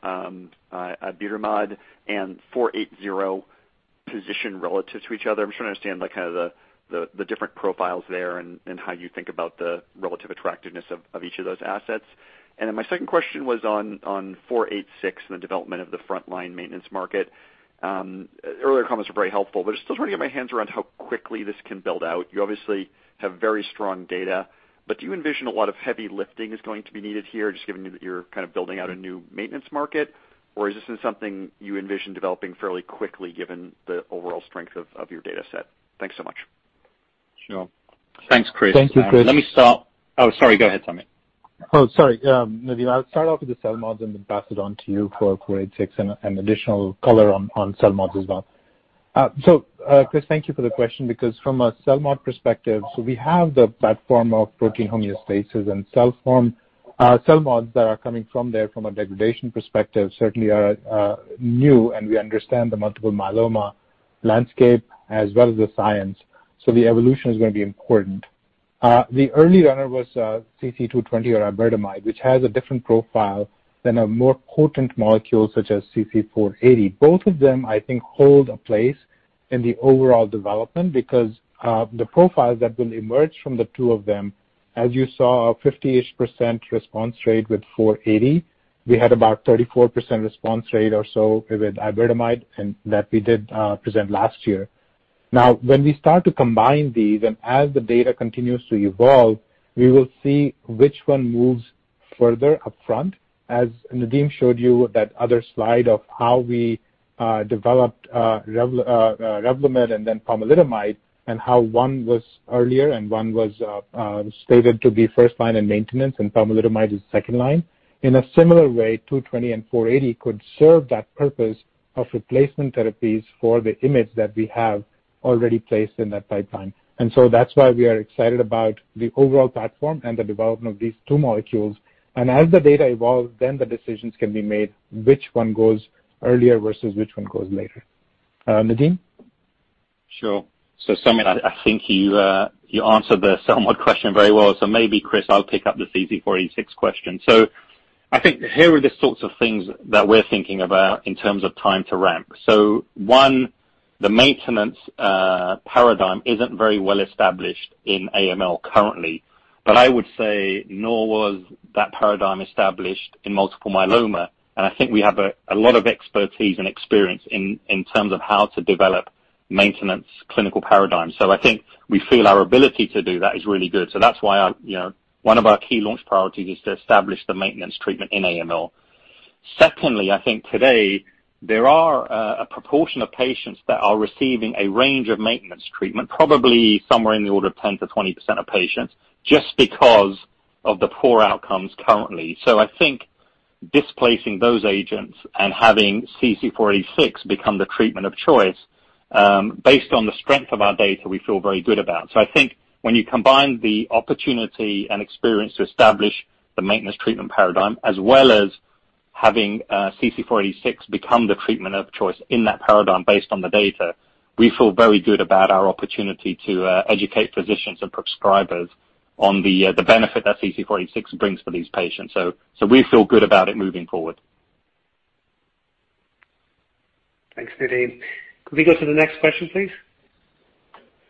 iberdomide and CC-92480 position relative to each other? I'm trying to understand the different profiles there and how you think about the relative attractiveness of each of those assets. My second question was on CC-486 and the development of the frontline maintenance market. Earlier comments were very helpful. I still want to get my hands around how quickly this can build out. You obviously have very strong data. Do you envision a lot of heavy lifting is going to be needed here, just given that you're building out a new maintenance market? Is this something you envision developing fairly quickly given the overall strength of your data set? Thanks so much. Sure. Thanks, Chris. Thank you, Chris. Let me start. Oh, sorry. Go ahead, Samit. Oh, sorry. Nadim, I'll start off with the CELMoDs and then pass it on to you for CC-486 and additional color on CELMoDs as well. Chris, thank you for the question because from a CELMoD perspective, we have the platform of protein homeostasis and CELMoDs that are coming from there from a degradation perspective certainly are new, and we understand the multiple myeloma landscape as well as the science. The early runner was CC-220 or iberdomide, which has a different profile than a more potent molecule such as CC-92480. Both of them, I think, hold a place in the overall development because the profiles that will emerge from the two of them, as you saw, a 50-ish percent response rate with CC-92480. We had about 34% response rate or so with iberdomide, and that we did present last year. Now, when we start to combine these, and as the data continues to evolve, we will see which one moves further up front. As Nadim showed you that other slide of how we developed REVLIMID and then pomalidomide, and how one was earlier and one was stated to be first-line in maintenance and pomalidomide is second-line. In a similar way, CC-220 and CC-92480 could serve that purpose of replacement therapies for the IMiD that we have already placed in that pipeline. That's why we are excited about the overall platform and the development of these two molecules. As the data evolves, the decisions can be made, which one goes earlier versus which one goes later. Nadim? Sure. Samit, I think you answered the CELMoD question very well. Maybe Chris, I'll pick up the CC-486 question. I think here are the sorts of things that we're thinking about in terms of time to ramp. One, the maintenance paradigm isn't very well established in AML currently, but I would say nor was that paradigm established in multiple myeloma, and I think we have a lot of expertise and experience in terms of how to develop maintenance clinical paradigms. I think we feel our ability to do that is really good. That's why one of our key launch priorities is to establish the maintenance treatment in AML. Secondly, I think today there are a proportion of patients that are receiving a range of maintenance treatment, probably somewhere in the order of 10%-20% of patients, just because of the poor outcomes currently. I think displacing those agents and having CC-486 become the treatment of choice, based on the strength of our data, we feel very good about. I think when you combine the opportunity and experience to establish the maintenance treatment paradigm, as well as having CC-486 become the treatment of choice in that paradigm based on the data, we feel very good about our opportunity to educate physicians and prescribers on the benefit that CC-486 brings for these patients. We feel good about it moving forward. Thanks, Nadim. Could we go to the next question, please?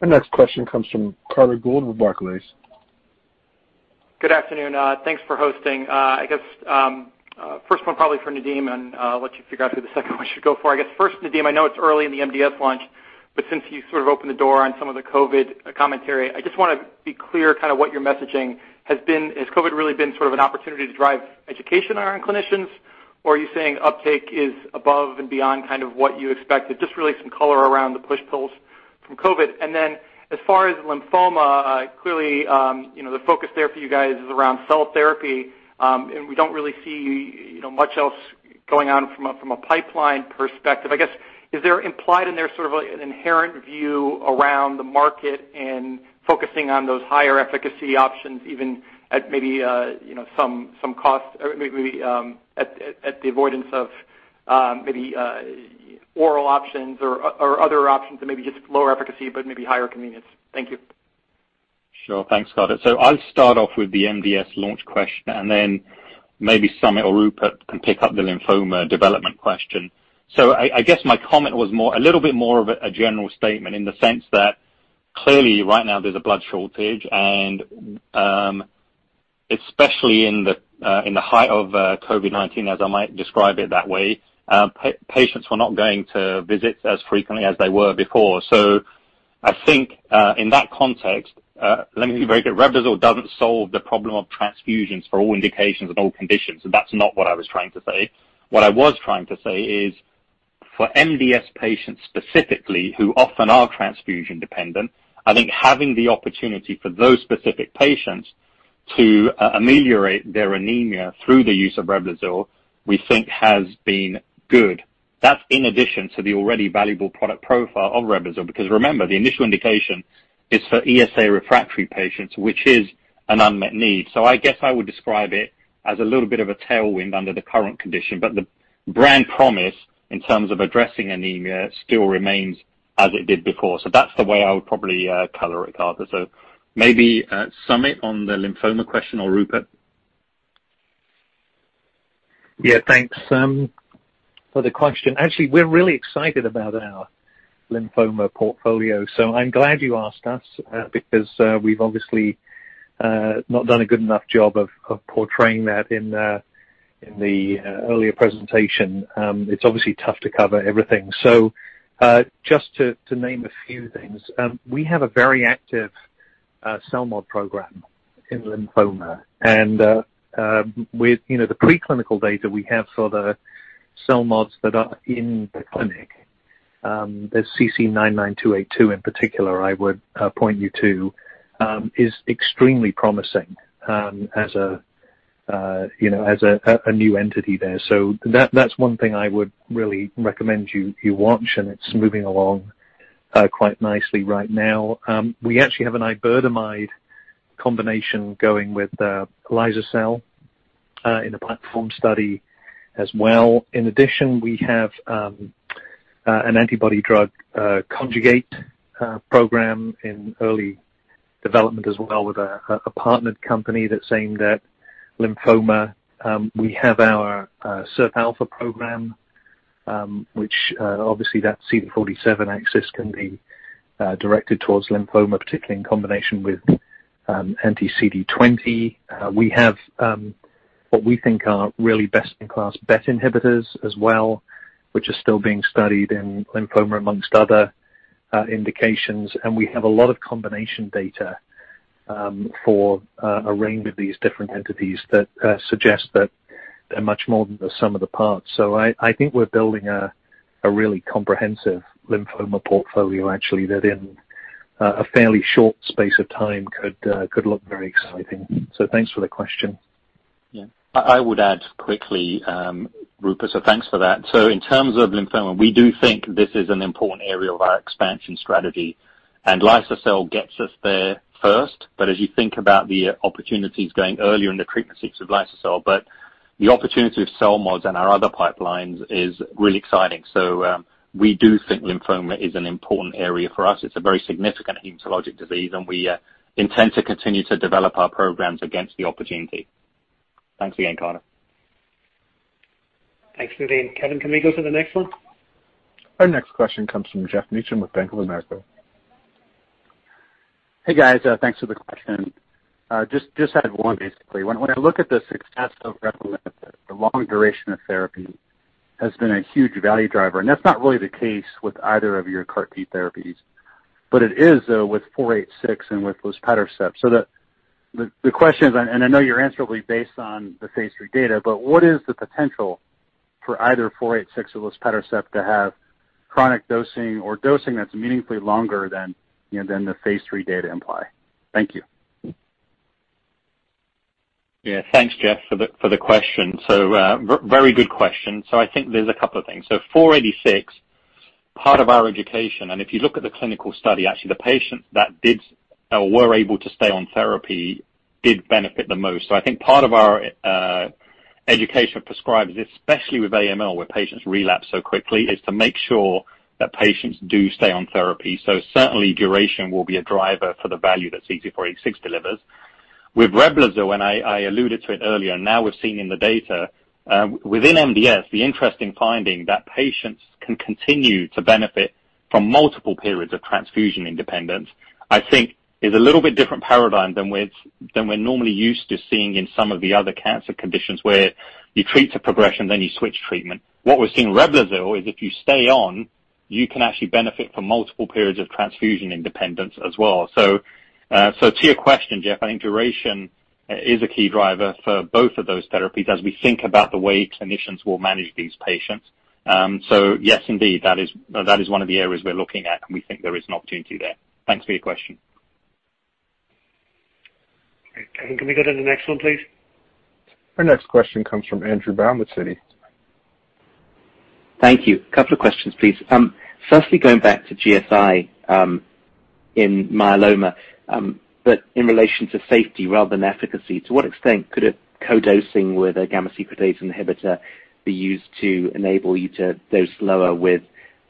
The next question comes from Carter Gould with Barclays. Good afternoon. Thanks for hosting. I guess, first one probably for Nadim, and I will let you figure out who the second one should go for. I guess first, Nadim, I know it's early in the MDS launch, but since you sort of opened the door on some of the COVID commentary, I just want to be clear what your messaging has been. Has COVID really been sort of an opportunity to drive education around clinicians, or are you saying uptake is above and beyond what you expected? Just really some color around the push-pulls from COVID. Then as far as lymphoma, clearly, the focus there for you guys is around cell therapy. We don't really see much else going on from a pipeline perspective. I guess, is there implied in there sort of an inherent view around the market and focusing on those higher efficacy options even at maybe some cost, or maybe at the avoidance of maybe oral options or other options that may be just lower efficacy but maybe higher convenience? Thank you. Sure. Thanks, Carter. I'll start off with the MDS launch question, and then maybe Samit or Rupert can pick up the lymphoma development question. I guess my comment was a little bit more of a general statement in the sense that clearly right now there's a blood shortage, and especially in the height of COVID-19, as I might describe it that way, patients were not going to visits as frequently as they were before. I think, in that context, let me be very clear. REBLOZYL doesn't solve the problem of transfusions for all indications and all conditions, and that's not what I was trying to say. What I was trying to say is, for MDS patients specifically, who often are transfusion-dependent, I think having the opportunity for those specific patients to ameliorate their anemia through the use of REBLOZYL, we think has been good. That's in addition to the already valuable product profile of REBLOZYL, because remember, the initial indication is for ESA refractory patients, which is an unmet need. I guess I would describe it as a little bit of a tailwind under the current condition, but the brand promise in terms of addressing anemia still remains as it did before. That's the way I would probably color it, Carter. Maybe Samit on the lymphoma question, or Rupert. Yeah, thanks for the question. Actually, we're really excited about our lymphoma portfolio. I'm glad you asked us, because we've obviously not done a good enough job of portraying that in the earlier presentation. It's obviously tough to cover everything. Just to name a few things, we have a very active CELMoD program in lymphoma. The preclinical data we have for the CELMoDs that are in the clinic, the CC-99282 in particular, I would point you to, is extremely promising as a new entity there. That's one thing I would really recommend you watch, and it's moving along quite nicely right now. We actually have an iberdomide combination going with liso-cel in a platform study as well. In addition, we have an antibody drug conjugate program in early development as well with a partnered company that's aimed at lymphoma. We have our SIRPα program, which obviously that CD47 axis can be directed towards lymphoma, particularly in combination with anti-CD20. We have what we think are really best-in-class BET inhibitors as well, which are still being studied in lymphoma amongst other indications. We have a lot of combination data for a range of these different entities that suggest that they're much more than the sum of the parts. I think we're building a really comprehensive lymphoma portfolio actually, that in a fairly short space of time could look very exciting. Thanks for the question. Yeah. I would add quickly, Rupert, so thanks for that. In terms of lymphoma, we do think this is an important area of our expansion strategy. liso-cel gets us there first. As you think about the opportunities going earlier in the treatment seeks of liso-cel, but the opportunity with CELMoD and our other pipelines is really exciting. We do think lymphoma is an important area for us. It's a very significant hematologic disease, and we intend to continue to develop our programs against the opportunity. Thanks again, Carter. Thanks, Nadim. Kevin, can we go to the next one? Our next question comes from Geoff Meacham with Bank of America. Hey, guys. Thanks for the question. Just had one, basically. When I look at the success of REBLOZYL, the long duration of therapy has been a huge value driver, and that's not really the case with either of your CAR T therapies. It is, though, with CC-486 and with luspatercept. The question is, and I know your answer will be based on the phase III data, but what is the potential for either CC-486 or luspatercept to have chronic dosing or dosing that's meaningfully longer than the phase III data imply? Thank you. Yeah. Thanks, Geoff, for the question. Very good question. I think there's a couple of things. CC-486, part of our education, and if you look at the clinical study, actually, the patient that did or were able to stay on therapy did benefit the most. I think part of our education of prescribers, especially with AML, where patients relapse so quickly, is to make sure that patients do stay on therapy. Certainly, duration will be a driver for the value that CC-486 delivers. With REBLOZYL, and I alluded to it earlier, now we're seeing in the data, within MDS, the interesting finding that patients can continue to benefit from multiple periods of transfusion independence, I think is a little bit different paradigm than we're normally used to seeing in some of the other cancer conditions where you treat to progression, you switch treatment. What we're seeing REBLOZYL is if you stay on, you can actually benefit from multiple periods of transfusion independence as well. To your question, Geoff, I think duration is a key driver for both of those therapies as we think about the way clinicians will manage these patients. Yes, indeed, that is one of the areas we're looking at, and we think there is an opportunity there. Thanks for your question. Great. Kevin, can we go to the next one, please? Our next question comes from Andrew Baum with Citi. Thank you. Couple of questions, please. Firstly, going back to GSI in myeloma, but in relation to safety rather than efficacy, to what extent could a co-dosing with a gamma secretase inhibitor be used to enable you to dose lower with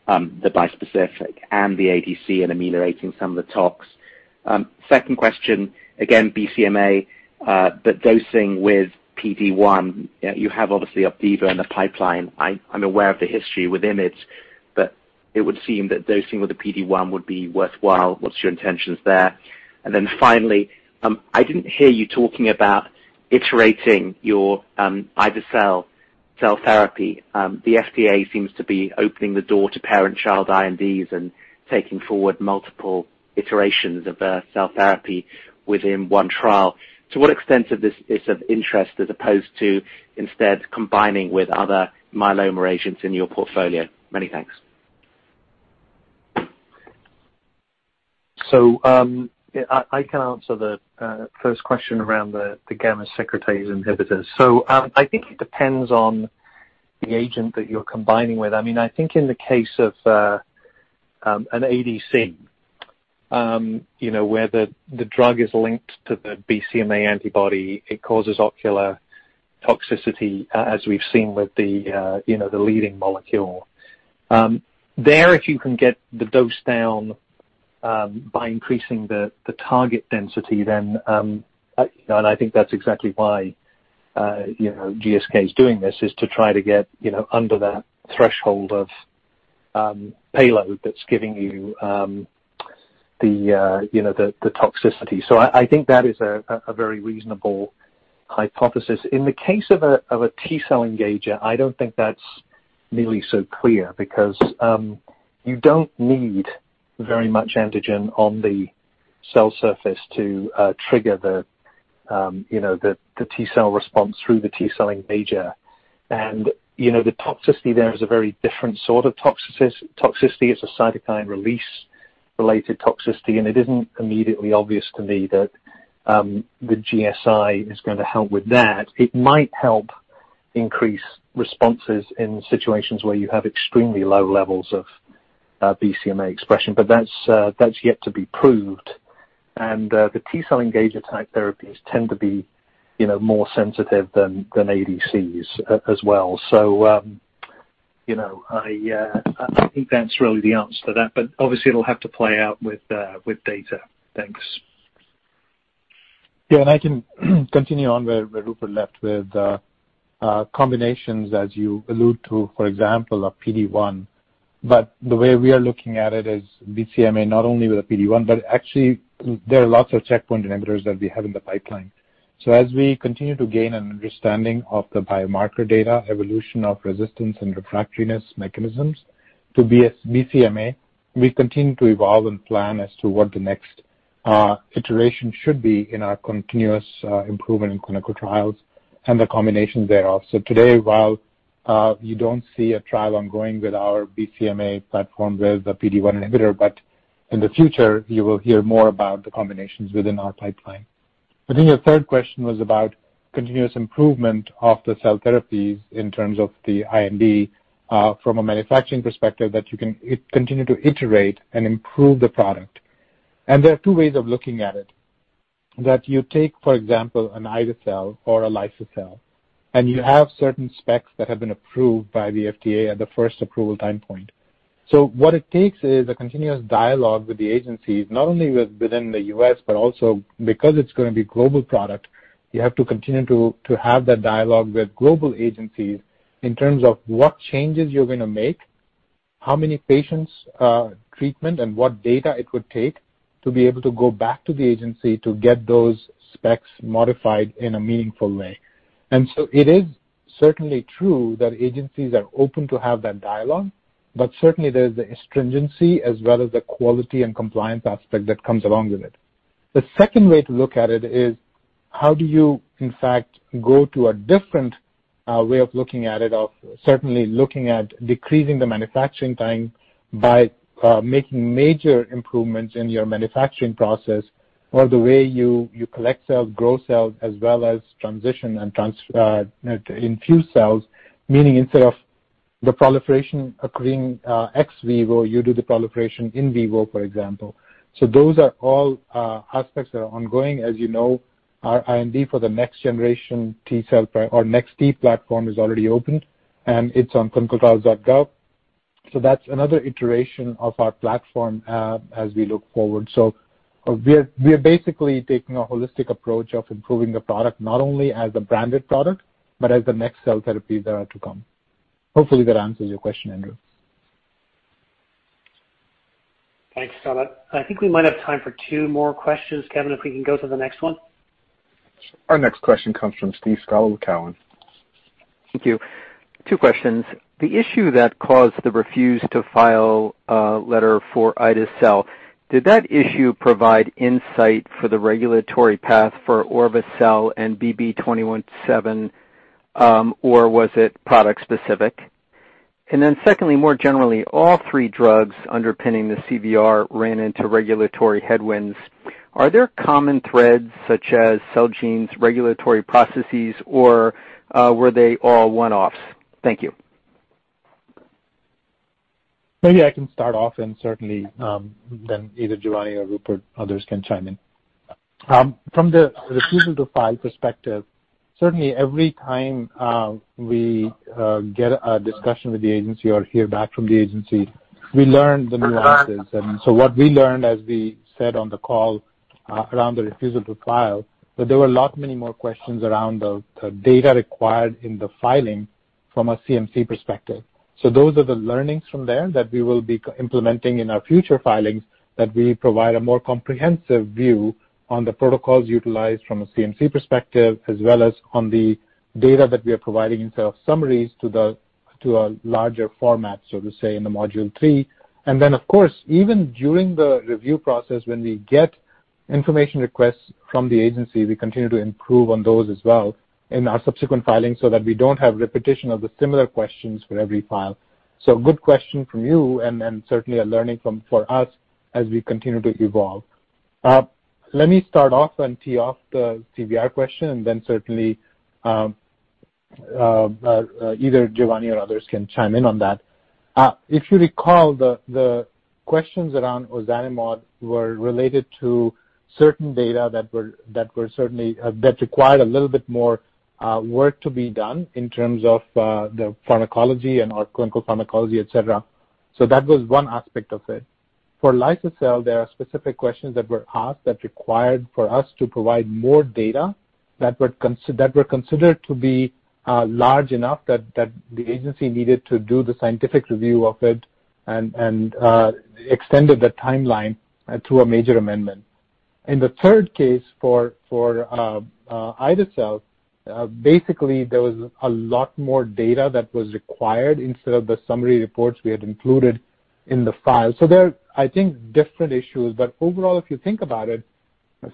the bispecific and the ADC and ameliorating some of the tox? Second question, again, BCMA, but dosing with PD-1, you have obviously OPDIVO in the pipeline. I'm aware of the history with IMiDs, but it would seem that dosing with the PD-1 would be worthwhile. What's your intentions there? Finally, I didn't hear you talking about iterating your ide-cel cell therapy. The FDA seems to be opening the door to parent-child INDs and taking forward multiple iterations of a cell therapy within one trial. To what extent is this of interest as opposed to instead combining with other myeloma agents in your portfolio? Many thanks. I can answer the first question around the gamma secretase inhibitors. I think it depends on the agent that you're combining with. I think in the case of an ADC, where the drug is linked to the BCMA antibody, it causes ocular toxicity, as we've seen with the leading molecule. There, if you can get the dose down by increasing the target density, and I think that's exactly why GSK is doing this, is to try to get under that threshold of payload that's giving you the toxicity. I think that is a very reasonable hypothesis. In the case of a T-cell engager, I don't think that's nearly so clear because you don't need very much antigen on the cell surface to trigger the T-cell response through the T-cell engager. The toxicity there is a very different sort of toxicity. It's a cytokine release-related toxicity, and it isn't immediately obvious to me that the GSI is going to help with that. It might help increase responses in situations where you have extremely low levels of BCMA expression, but that's yet to be proved. The T-cell engager type therapies tend to be more sensitive than ADCs as well. I think that's really the answer to that. Obviously, it'll have to play out with data. Thanks. Yeah, I can continue on where Rupert left with combinations, as you allude to, for example, a PD-1. The way we are looking at it is BCMA not only with a PD-1, but actually there are lots of checkpoint inhibitors that we have in the pipeline. As we continue to gain an understanding of the biomarker data, evolution of resistance and refractoriness mechanisms to BCMA, we continue to evolve and plan as to what the next iteration should be in our continuous improvement in clinical trials and the combinations thereof. Today, while you don't see a trial ongoing with our BCMA platform with the PD-1 inhibitor, but in the future, you will hear more about the combinations within our pipeline. I think your third question was about continuous improvement of the cell therapies in terms of the IND from a manufacturing perspective, that you can continue to iterate and improve the product. There are two ways of looking at it. You take, for example, an ide-cel or a liso-cel, and you have certain specs that have been approved by the FDA at the first approval time point. What it takes is a continuous dialogue with the agencies, not only within the U.S., but also because it's going to be global product, you have to continue to have that dialogue with global agencies in terms of what changes you're going to make, how many patients' treatment and what data it would take to be able to go back to the agency to get those specs modified in a meaningful way. It is certainly true that agencies are open to have that dialogue, but certainly there's a stringency as well as the quality and compliance aspect that comes along with it. The second way to look at it is how do you, in fact, go to a different way of looking at it, of certainly looking at decreasing the manufacturing time by making major improvements in your manufacturing process or the way you collect cells, grow cells, as well as transition and infuse cells, meaning instead of the proliferation occurring ex vivo, you do the proliferation in vivo, for example. Those are all aspects that are ongoing. As you know, our IND for the next-generation T-cell or NEX-T platform is already open, and it's on clinicaltrials.gov. That's another iteration of our platform as we look forward. We are basically taking a holistic approach of improving the product, not only as a branded product, but as the next cell therapies that are to come. Hopefully, that answers your question, Andrew. Thanks, Samit. I think we might have time for two more questions. Kevin, if we can go to the next one. Our next question comes from Steve Scala with Cowen. Thank you. Two questions. The issue that caused the refuse to file a letter for ide-cel, did that issue provide insight for the regulatory path for orva-cel and bb21217, or was it product specific? Secondly, more generally, all three drugs underpinning the CVR ran into regulatory headwinds. Are there common threads such as Celgene's regulatory processes, or were they all one-offs? Thank you. Maybe I can start off and certainly, then either Giovanni or Rupert, others can chime in. From the refusal to file perspective, certainly every time we get a discussion with the agency or hear back from the agency, we learn the nuances. What we learned, as we said on the call around the refusal to file, that there were a lot many more questions around the data required in the filing from a CMC perspective. Those are the learnings from there that we will be implementing in our future filings, that we provide a more comprehensive view on the protocols utilized from a CMC perspective, as well as on the data that we are providing in cell summaries to a larger format, so to say, in the module three. Then, of course, even during the review process, when we get information requests from the agency, we continue to improve on those as well in our subsequent filings so that we don't have repetition of the similar questions for every file. Good question from you and certainly a learning for us as we continue to evolve. Let me start off and tee off the CVR question, and then certainly, either Giovanni or others can chime in on that. If you recall, the questions around ozanimod were related to certain data that required a little bit more work to be done in terms of the pharmacology and our clinical pharmacology, et cetera. That was one aspect of it. For liso-cel, there are specific questions that were asked that required for us to provide more data that were considered to be large enough that the agency needed to do the scientific review of it and extended the timeline through a major amendment. In the third case for ide-cel, basically, there was a lot more data that was required instead of the summary reports we had included in the file. There are, I think, different issues, but overall, if you think about it,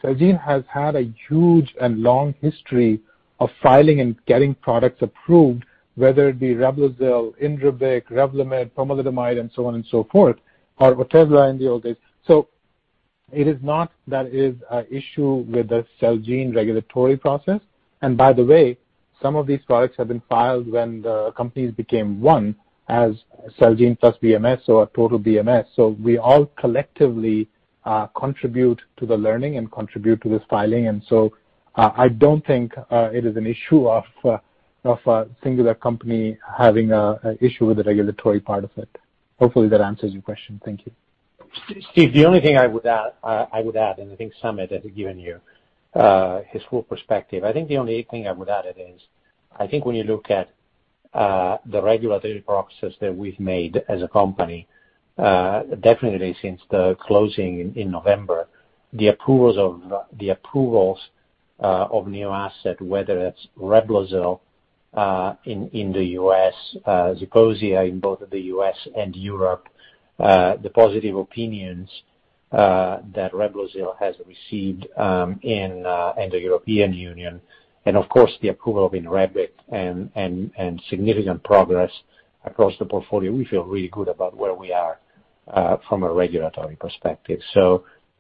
Celgene has had a huge and long history of filing and getting products approved, whether it be REBLOZYL, INREBIC, REVLIMID, pomalidomide, and so on and so forth, or whatever in the old days. It is not that it is an issue with the Celgene regulatory process. By the way, some of these products have been filed when the companies became one as Celgene plus BMS or total BMS. We all collectively contribute to the learning and contribute to this filing, I don't think it is an issue of a singular company having an issue with the regulatory part of it. Hopefully, that answers your question. Thank you. Steve, the only thing I would add, and I think Samit has given you his full perspective, I think the only thing I would add is I think when you look at the regulatory process that we've made as a company, definitely since the closing in November, the approvals of new asset, whether it's REBLOZYL in the U.S., Zeposia in both the U.S. and Europe, the positive opinions that REBLOZYL has received in the European Union, and of course, the approval of INREBIC and significant progress across the portfolio, we feel really good about where we are from a regulatory perspective.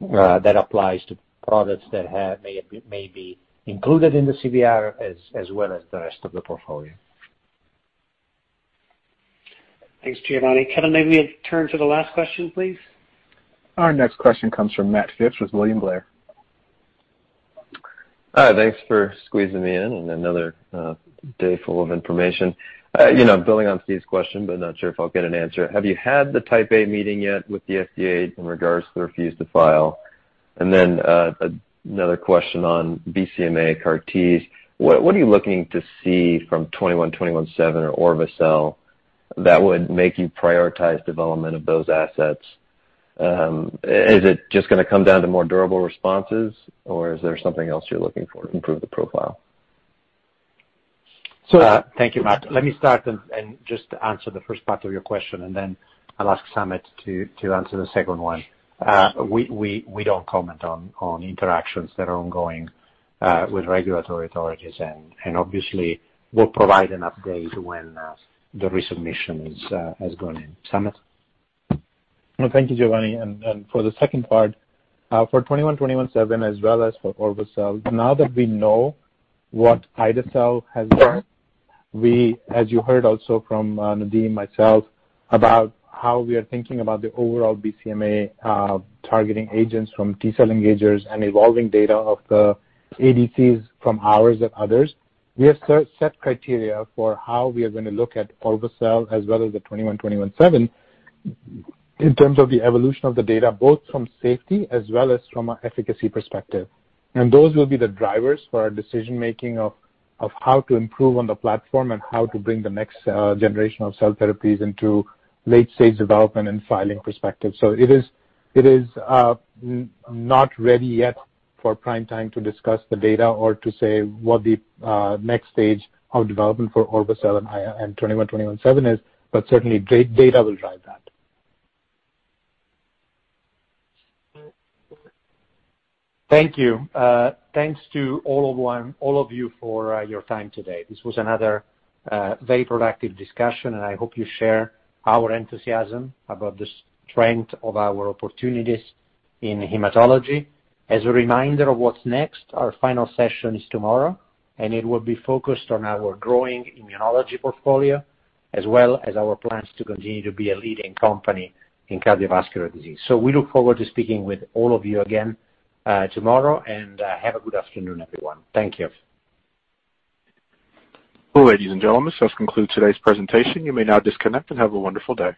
That applies to products that may be included in the CVR as well as the rest of the portfolio. Thanks, Giovanni. Kevin, maybe we turn to the last question, please. Our next question comes from Matt Phipps with William Blair. Hi. Thanks for squeezing me in on another day full of information. Building on Steve's question, but not sure if I'll get an answer, have you had the Type A meeting yet with the FDA in regards to the refuse to file? Another question on BCMA CAR T. What are you looking to see from bb21217 or orva-cel that would make you prioritize development of those assets? Is it just going to come down to more durable responses, or is there something else you're looking for to improve the profile? Thank you, Matt. Let me start and just answer the first part of your question, and then I'll ask Samit to answer the second one. We don't comment on interactions that are ongoing with regulatory authorities. Obviously we'll provide an update when the resubmission has gone in. Samit? Thank you, Giovanni. For the second part, for bb21217 as well as for orva-cel, now that we know what ide-cel has done, we, as you heard also from Nadim and myself about how we are thinking about the overall BCMA targeting agents from T-cell engagers and evolving data of the ADCs from ours and others. We have set criteria for how we are going to look at orva-cel as well as the bb21217 in terms of the evolution of the data, both from safety as well as from an efficacy perspective. Those will be the drivers for our decision-making of how to improve on the platform and how to bring the next generation of cell therapies into late-stage development and filing perspective. It is not ready yet for prime time to discuss the data or to say what the next stage of development for orva-cel and bb21217 is, but certainly data will drive that. Thank you. Thanks to all of you for your time today. This was another very productive discussion. I hope you share our enthusiasm about the strength of our opportunities in hematology. As a reminder of what's next, our final session is tomorrow. It will be focused on our growing immunology portfolio, as well as our plans to continue to be a leading company in cardiovascular disease. We look forward to speaking with all of you again tomorrow. Have a good afternoon, everyone. Thank you. Ladies and gentlemen, this concludes today's presentation. You may now disconnect. Have a wonderful day.